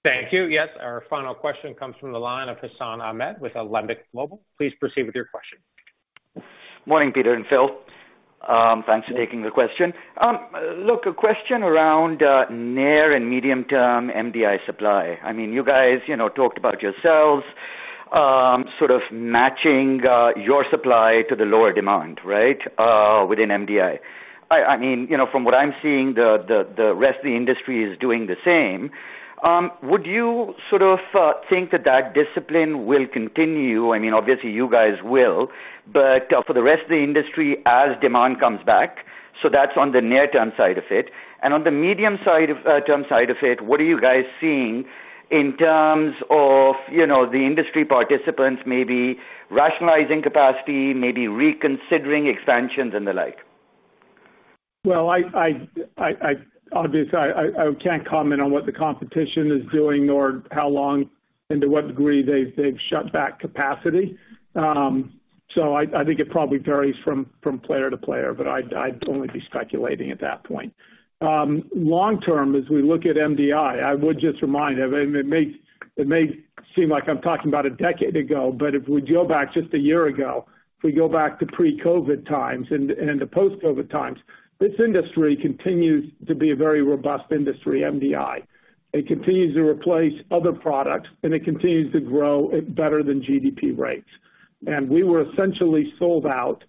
Thank you. Yes, our final question comes from the line of Hassan Ahmed with Alembic Global. Please proceed with your question. Morning, Peter and Phil. Thanks for taking the question. Look, a question around near and medium term MDI supply. I mean, you guys, you know, talked about yourselves, sort of matching your supply to the lower demand, right, within MDI. I mean, you know, from what I'm seeing, the rest of the industry is doing the same. Would you sort of think that that discipline will continue? I mean, obviously, you guys will. For the rest of the industry as demand comes back, so that's on the near-term side of it. On the medium side, term side of it, what are you guys seeing in terms of, you know, the industry participants maybe rationalizing capacity, maybe reconsidering expansions and the like? Well, I can't comment on what the competition is doing or how long and to what degree they've shut back capacity. I think it probably varies from player to player, but I'd only be speculating at that point. Long term, as we look at MDI, I would just remind everyone, it may seem like I'm talking about a decade ago, but if we go back just a year ago, if we go back to pre-COVID times and to post-COVID times, this industry continues to be a very robust industry, MDI. It continues to replace other products, and it continues to grow at better than GDP rates. We were essentially sold out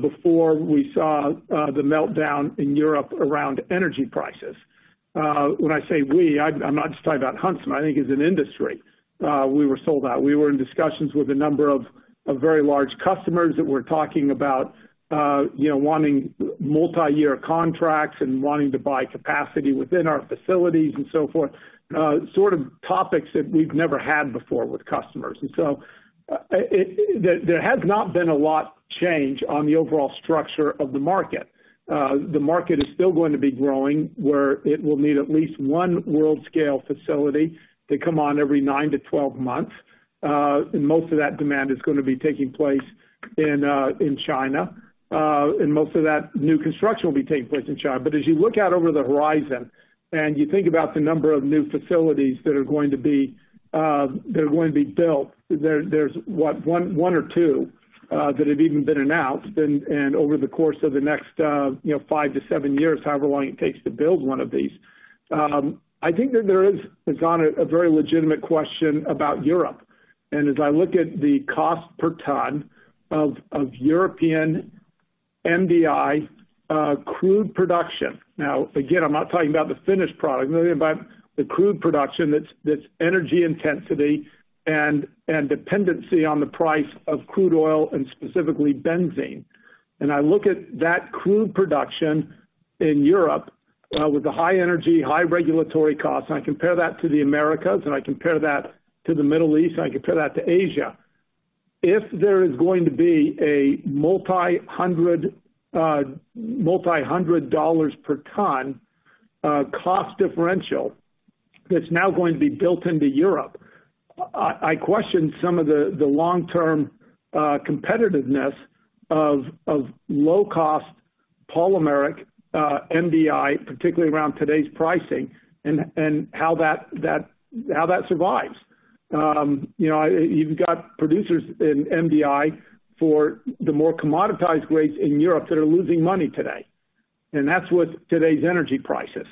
before we saw the meltdown in Europe around energy prices. When I say we, I'm not just talking about Huntsman. I think as an industry, we were sold out. We were in discussions with a number of very large customers that were talking about, you know, wanting multi-year contracts and wanting to buy capacity within our facilities and so forth, sort of topics that we've never had before with customers. There has not been a lot change on the overall structure of the market. The market is still going to be growing, where it will need at least one world-scale facility to come on every nine to 12 months. And most of that demand is gonna be taking place in China. Most of that new construction will be taking place in China. As you look out over the horizon and you think about the number of new facilities that are going to be that are gonna be built, there's, what? One or two that have even been announced. Over the course of the next, you know, five to seven years, however long it takes to build one of these, I think that there is, Hassan, a very legitimate question about Europe. As I look at the cost per ton of European MDI crude production. Again, I'm not talking about the finished product. I'm talking about the crude production that's energy intensity and dependency on the price of crude oil and specifically benzene. I look at that crude production in Europe, with the high energy, high regulatory costs, and I compare that to the Americas, and I compare that to the Middle East, and I compare that to Asia. If there is going to be a multi-hundred, multi-hundred dollars per ton, cost differentialThat's now going to be built into Europe. I question some of the long-term competitiveness of low-cost polymeric MDI, particularly around today's pricing and how that how that survives. you know, you've got producers in MDI for the more commoditized grades in Europe that are losing money today, and that's with today's energy prices.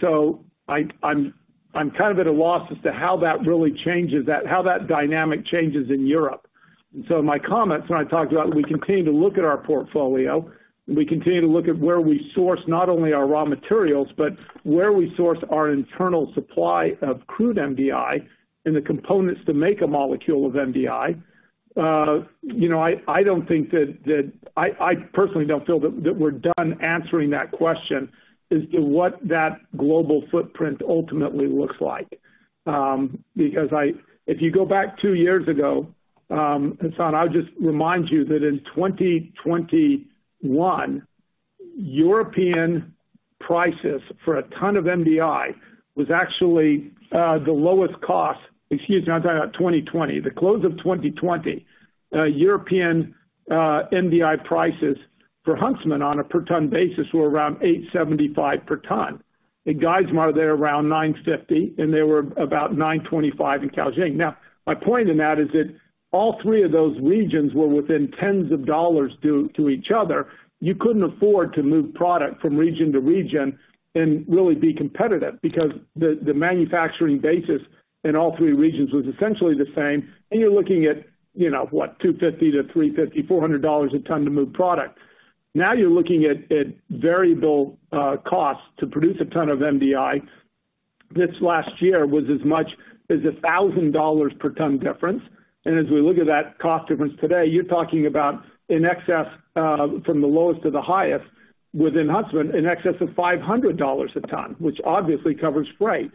So I'm kind of at a loss as to how that really changes that, how that dynamic changes in Europe. So my comments when I talked about we continue to look at our portfolio, we continue to look at where we source not only our raw materials, but where we source our internal supply of crude MDI and the components to make a molecule of MDI. You know, I don't think that I personally don't feel that we're done answering that question as to what that global footprint ultimately looks like. Because if you go back two years ago, Hassan, I'll just remind you that in 2021 European prices for a ton of MDI was actually the lowest cost. Excuse me, I'm talking about 2020. The close of 2020, European MDI prices for Huntsman on a per ton basis were around $875 per ton. In Geismar, they're around $950, and they were about $925 in Kaohsiung. Now, my point in that is that all three of those regions were within tens of dollars to each other. You couldn't afford to move product from region to region and really be competitive because the manufacturing basis in all three regions was essentially the same. You're looking at, you know what, $250-$350, $400 a ton to move product. Now you're looking at variable costs to produce a ton of MDI this last year was as much as a $1,000 per ton difference. As we look at that cost difference today, you're talking about in excess from the lowest to the highest within Huntsman, in excess of $500 a ton, which obviously covers freight.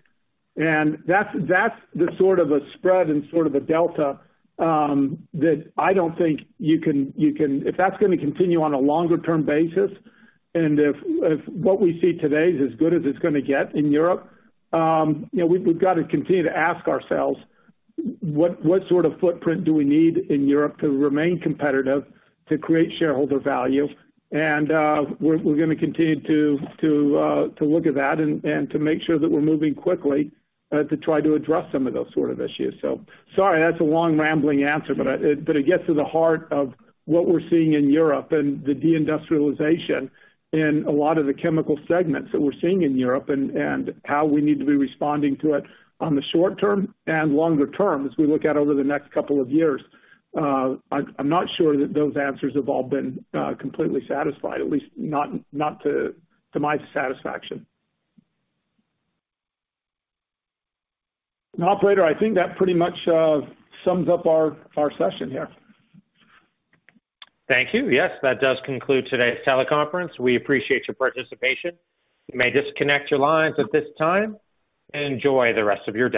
That's the sort of a spread and sort of a delta that I don't think you can. If that's gonna continue on a longer term basis, and if what we see today is as good as it's gonna get in Europe, you know, we've got to continue to ask ourselves what sort of footprint do we need in Europe to remain competitive, to create shareholder value. We're gonna continue to look at that and to make sure that we're moving quickly to try to address some of those sort of issues. Sorry, that's a long rambling answer, but it gets to the heart of what we're seeing in Europe and the de-industrialization in a lot of the chemical segments that we're seeing in Europe and how we need to be responding to it on the short-term and longer term, as we look out over the next couple of years. I'm not sure that those answers have all been completely satisfied, at least not to my satisfaction. Operator, I think that pretty much sums up our session here. Thank you. Yes, that does conclude today's teleconference. We appreciate your participation. You may disconnect your lines at this time, and enjoy the rest of your day.